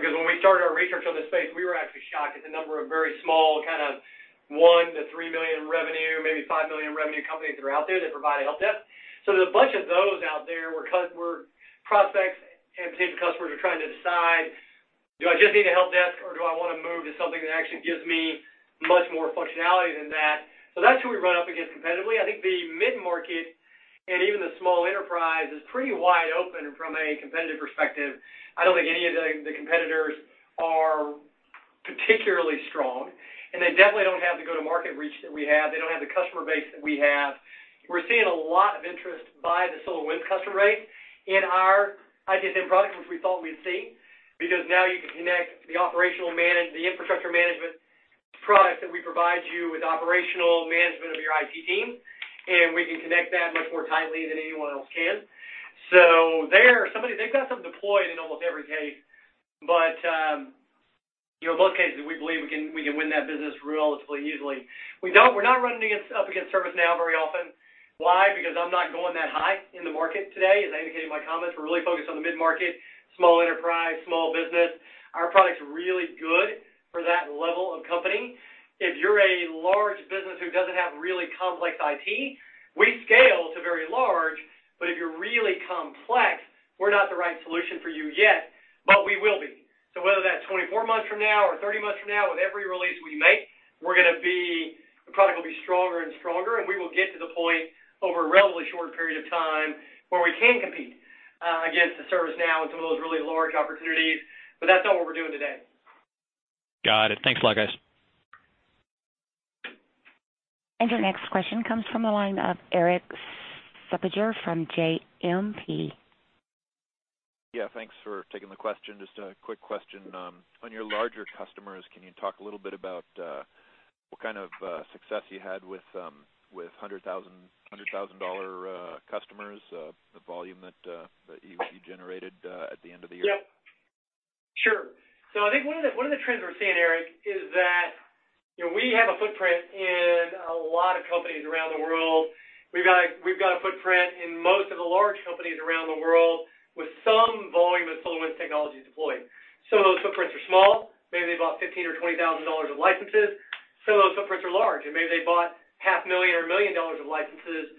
When we started our research on this space, we were actually shocked at the number of very small kind of $1 million-$3 million revenue, maybe $5 million revenue companies that are out there that provide a help desk. There's a bunch of those out there where prospects and potential customers are trying to decide, do I just need a help desk or do I want to move to something that actually gives me much more functionality than that? That's who we run up against competitively. I think the mid-market and even the small enterprise is pretty wide open from a competitive perspective. I don't think any of the competitors are particularly strong, and they definitely don't have the go-to-market reach that we have. They don't have the customer base that we have. We're seeing a lot of interest by the SolarWinds customer base in our ITSM product, which we thought we'd see, because now you can connect the infrastructure management product that we provide you with operational management of your IT team. We can connect that much more tightly than anyone else can. They've got something deployed in almost every case. In both cases, we believe we can win that business relatively easily. We're not running up against ServiceNow very often. Why? I'm not going that high in the market today. As I indicated in my comments, we're really focused on the mid-market, small enterprise, small business. Our product's really good for that level of company. If you're a large business who doesn't have really complex IT, we scale to very large. If you're really complex, we're not the right solution for you yet, but we will be. Whether that's 24 months from now or 30 months from now, with every release we make, the product will be stronger and stronger, and we will get to the point over a relatively short period of time where we can compete against the ServiceNow and some of those really large opportunities. That's not what we're doing today. Got it. Thanks a lot, guys. Your next question comes from the line of Erik Suppiger from JMP. Yeah, thanks for taking the question. Just a quick question. On your larger customers, can you talk a little bit about what kind of success you had with $100,000 customers, the volume that you generated at the end of the year? Yep. Sure. I think one of the trends we're seeing, Erik, is that we have a footprint in a lot of companies around the world. We've got a footprint in most of the large companies around the world with some volume of SolarWinds technology deployed. Some of those footprints are small. Maybe they bought $15,000-$20,000 of licenses. Some of those footprints are large, and maybe they bought $500,000, $1 million of licenses.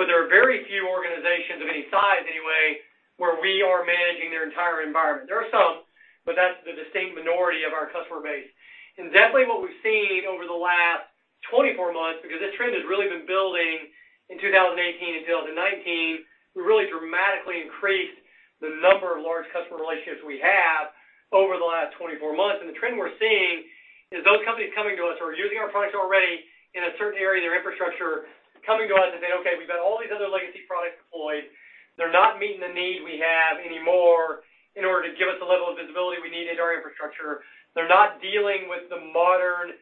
There are very few organizations of any size anyway where we are managing their entire environment. There are some, that's the distinct minority of our customer base. Definitely what we've seen over the last 24 months, because this trend has really been building in 2018 until 2019, we really dramatically increased the number of large customer relationships we have over the last 24 months. The trend we're seeing is those companies coming to us who are using our products already in a certain area of their infrastructure, coming to us and saying, "Okay, we've got all these other legacy products deployed. They're not meeting the need we have anymore in order to give us the level of visibility we need in our infrastructure. They're not dealing with the modern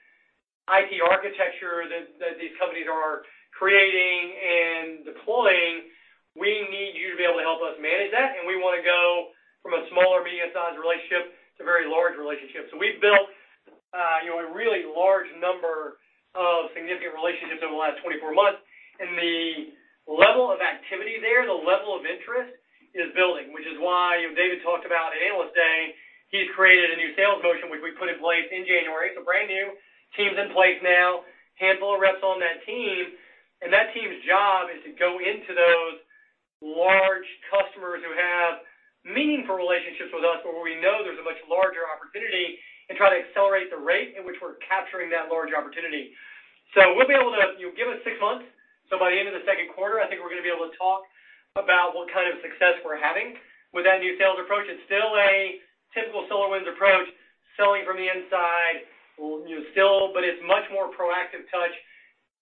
IT architecture that these companies are creating and deploying. We need you to be able to help us manage that, and we want to go from a small or medium-sized relationship to a very large relationship." We've built a really large number of significant relationships over the last 24 months. The level of activity there, the level of interest is building, which is why David talked about at Analyst Day, he's created a new sales motion, which we put in place in January. It's brand new. Team's in place now. Handful of reps on that team. That team's job is to go into those large customers who have meaningful relationships with us, but where we know there's a much larger opportunity and try to accelerate the rate in which we're capturing that larger opportunity. Give us six months. By the end of the second quarter, I think we're going to be able to talk about what kind of success we're having with that new sales approach. It's still a typical SolarWinds approach, selling from the inside, but it's much more proactive touch,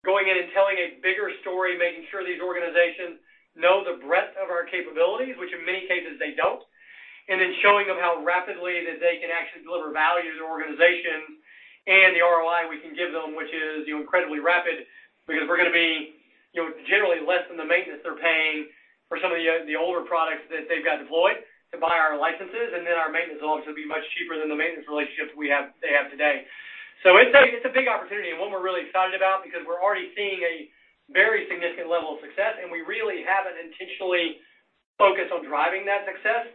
going in and telling a bigger story, making sure these organizations know the breadth of our capabilities, which in many cases they don't. Showing them how rapidly that they can actually deliver value to their organization and the ROI we can give them, which is incredibly rapid because we're going to be generally less than the maintenance they're paying for some of the older products that they've got deployed to buy our licenses. Our maintenance will also be much cheaper than the maintenance relationships they have today. It's a big opportunity and one we're really excited about because we're already seeing a very significant level of success, and we really haven't intentionally focused on driving that success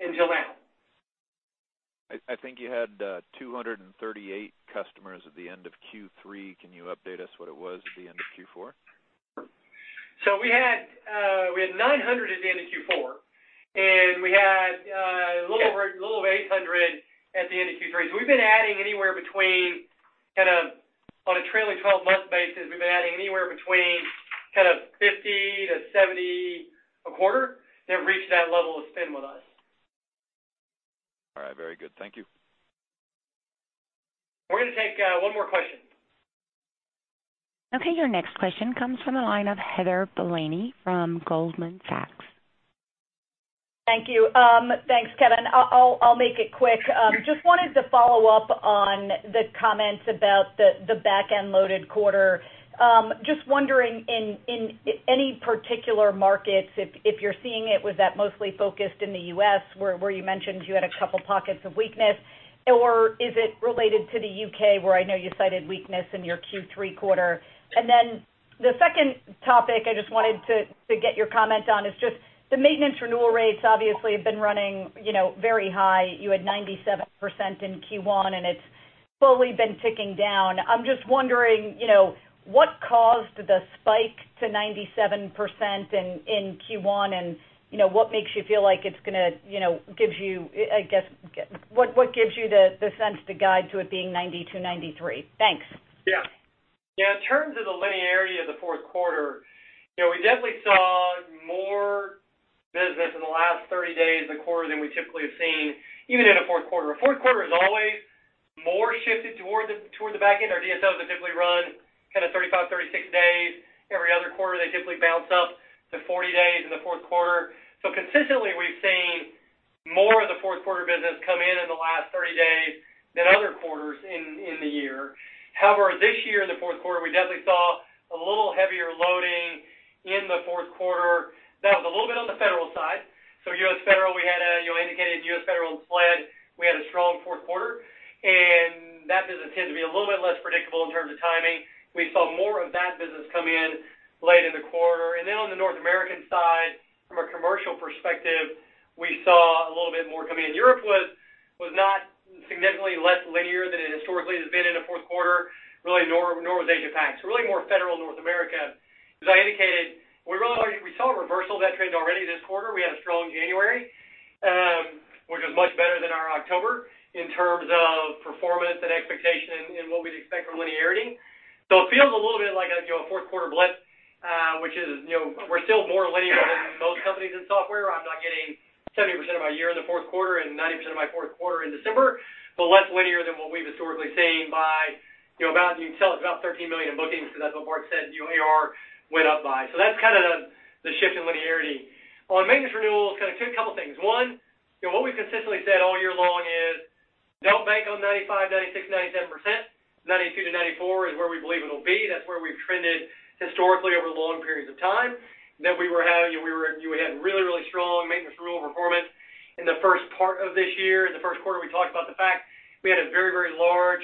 until now. I think you had 238 customers at the end of Q3. Can you update us what it was at the end of Q4? We had 900 at the end of Q4, and we had a little over 800 at the end of Q3. We've been adding anywhere between, on a trailing 12-month basis, we've been adding anywhere between 50-70 a quarter that reached that level of spend with us. All right. Very good. Thank you. We're going to take one more question. Okay. Your next question comes from the line of Heather Bellini from Goldman Sachs. Thank you. Thanks, Kevin. I'll make it quick. Wanted to follow up on the comments about the back-end loaded quarter. Wondering in any particular markets, if you're seeing it, was that mostly focused in the U.S. where you mentioned you had a couple pockets of weakness, or is it related to the U.K., where I know you cited weakness in your Q3 quarter? The second topic I just wanted to get your comment on is just the maintenance renewal rates obviously have been running very high. You had 97% in Q1, it's slowly been ticking down. I'm just wondering, what caused the spike to 97% in Q1, what gives you the sense to guide to it being 92%-93%? Thanks. Yeah. In terms of the linearity of the fourth quarter, we definitely saw more business in the last 30 days of the quarter than we typically have seen even in a fourth quarter. A fourth quarter is always more shifted toward the back end. Our DSOs typically run 35, 36 days. Every other quarter, they typically bounce up to 40 days in the fourth quarter. Consistently, we've seen more of the fourth quarter business come in in the last 30 days than other quarters in the year. However, this year in the fourth quarter, we definitely saw a little heavier loading in the fourth quarter. That was a little bit on the federal side. U.S. federal, we had indicated U.S. federal and SLED, we had a strong fourth quarter, and that business tends to be a little bit less predictable in terms of timing. We saw more of that business come in late in the quarter. On the North American side, from a commercial perspective, we saw a little bit more come in. Europe was not significantly less linear than it historically has been in a fourth quarter, really nor was Asia Pac. Really more federal North America. As I indicated, we saw a reversal of that trend already this quarter. We had a strong January, which was much better than our October in terms of performance and expectation and what we'd expect from linearity. It feels a little bit like a fourth-quarter blitz, which is, we're still more linear than most companies in software. I'm not getting 70% of my year in the fourth quarter and 90% of my fourth quarter in December, less linear than what we've historically seen by about, you can tell it's about $13 million in bookings because that's what Bart said AR went up by. That's the shift in linearity. On maintenance renewals, two couple things. One, what we've consistently said all year long is don't bank on 95%, 96%, 97%. 92%-94% is where we believe it'll be. That's where we've trended historically over long periods of time. We were having really strong maintenance renewal performance in the first part of this year. In the first quarter, we talked about the fact we had a very large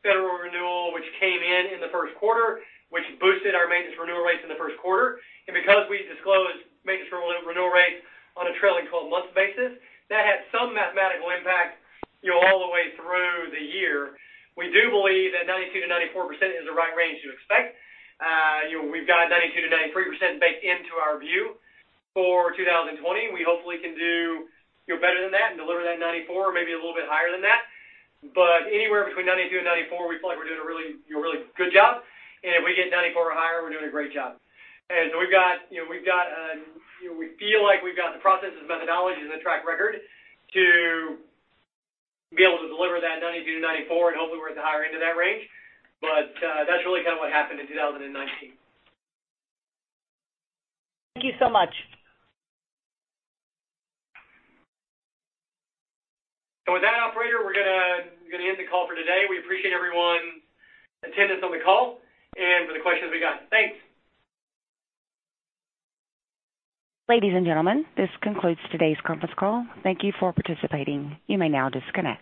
federal renewal which came in in the first quarter, which boosted our maintenance renewal rates in the first quarter. Because we disclose maintenance renewal rates on a trailing 12-month basis, that had some mathematical impact all the way through the year. We do believe that 92%-94% is the right range to expect. We've got 92%-93% baked into our view for 2020. We hopefully can do better than that and deliver that 94%, maybe a little bit higher than that. Anywhere between 92% and 94%, we feel like we're doing a really good job. If we get 94% or higher, we're doing a great job. We feel like we've got the processes, methodologies, and the track record to be able to deliver that 92%-94%, and hopefully we're at the higher end of that range. That's really what happened in 2019. Thank you so much. With that, operator, we're going to end the call for today. We appreciate everyone's attendance on the call and for the questions we got. Thanks. Ladies and gentlemen, this concludes today's conference call. Thank you for participating. You may now disconnect.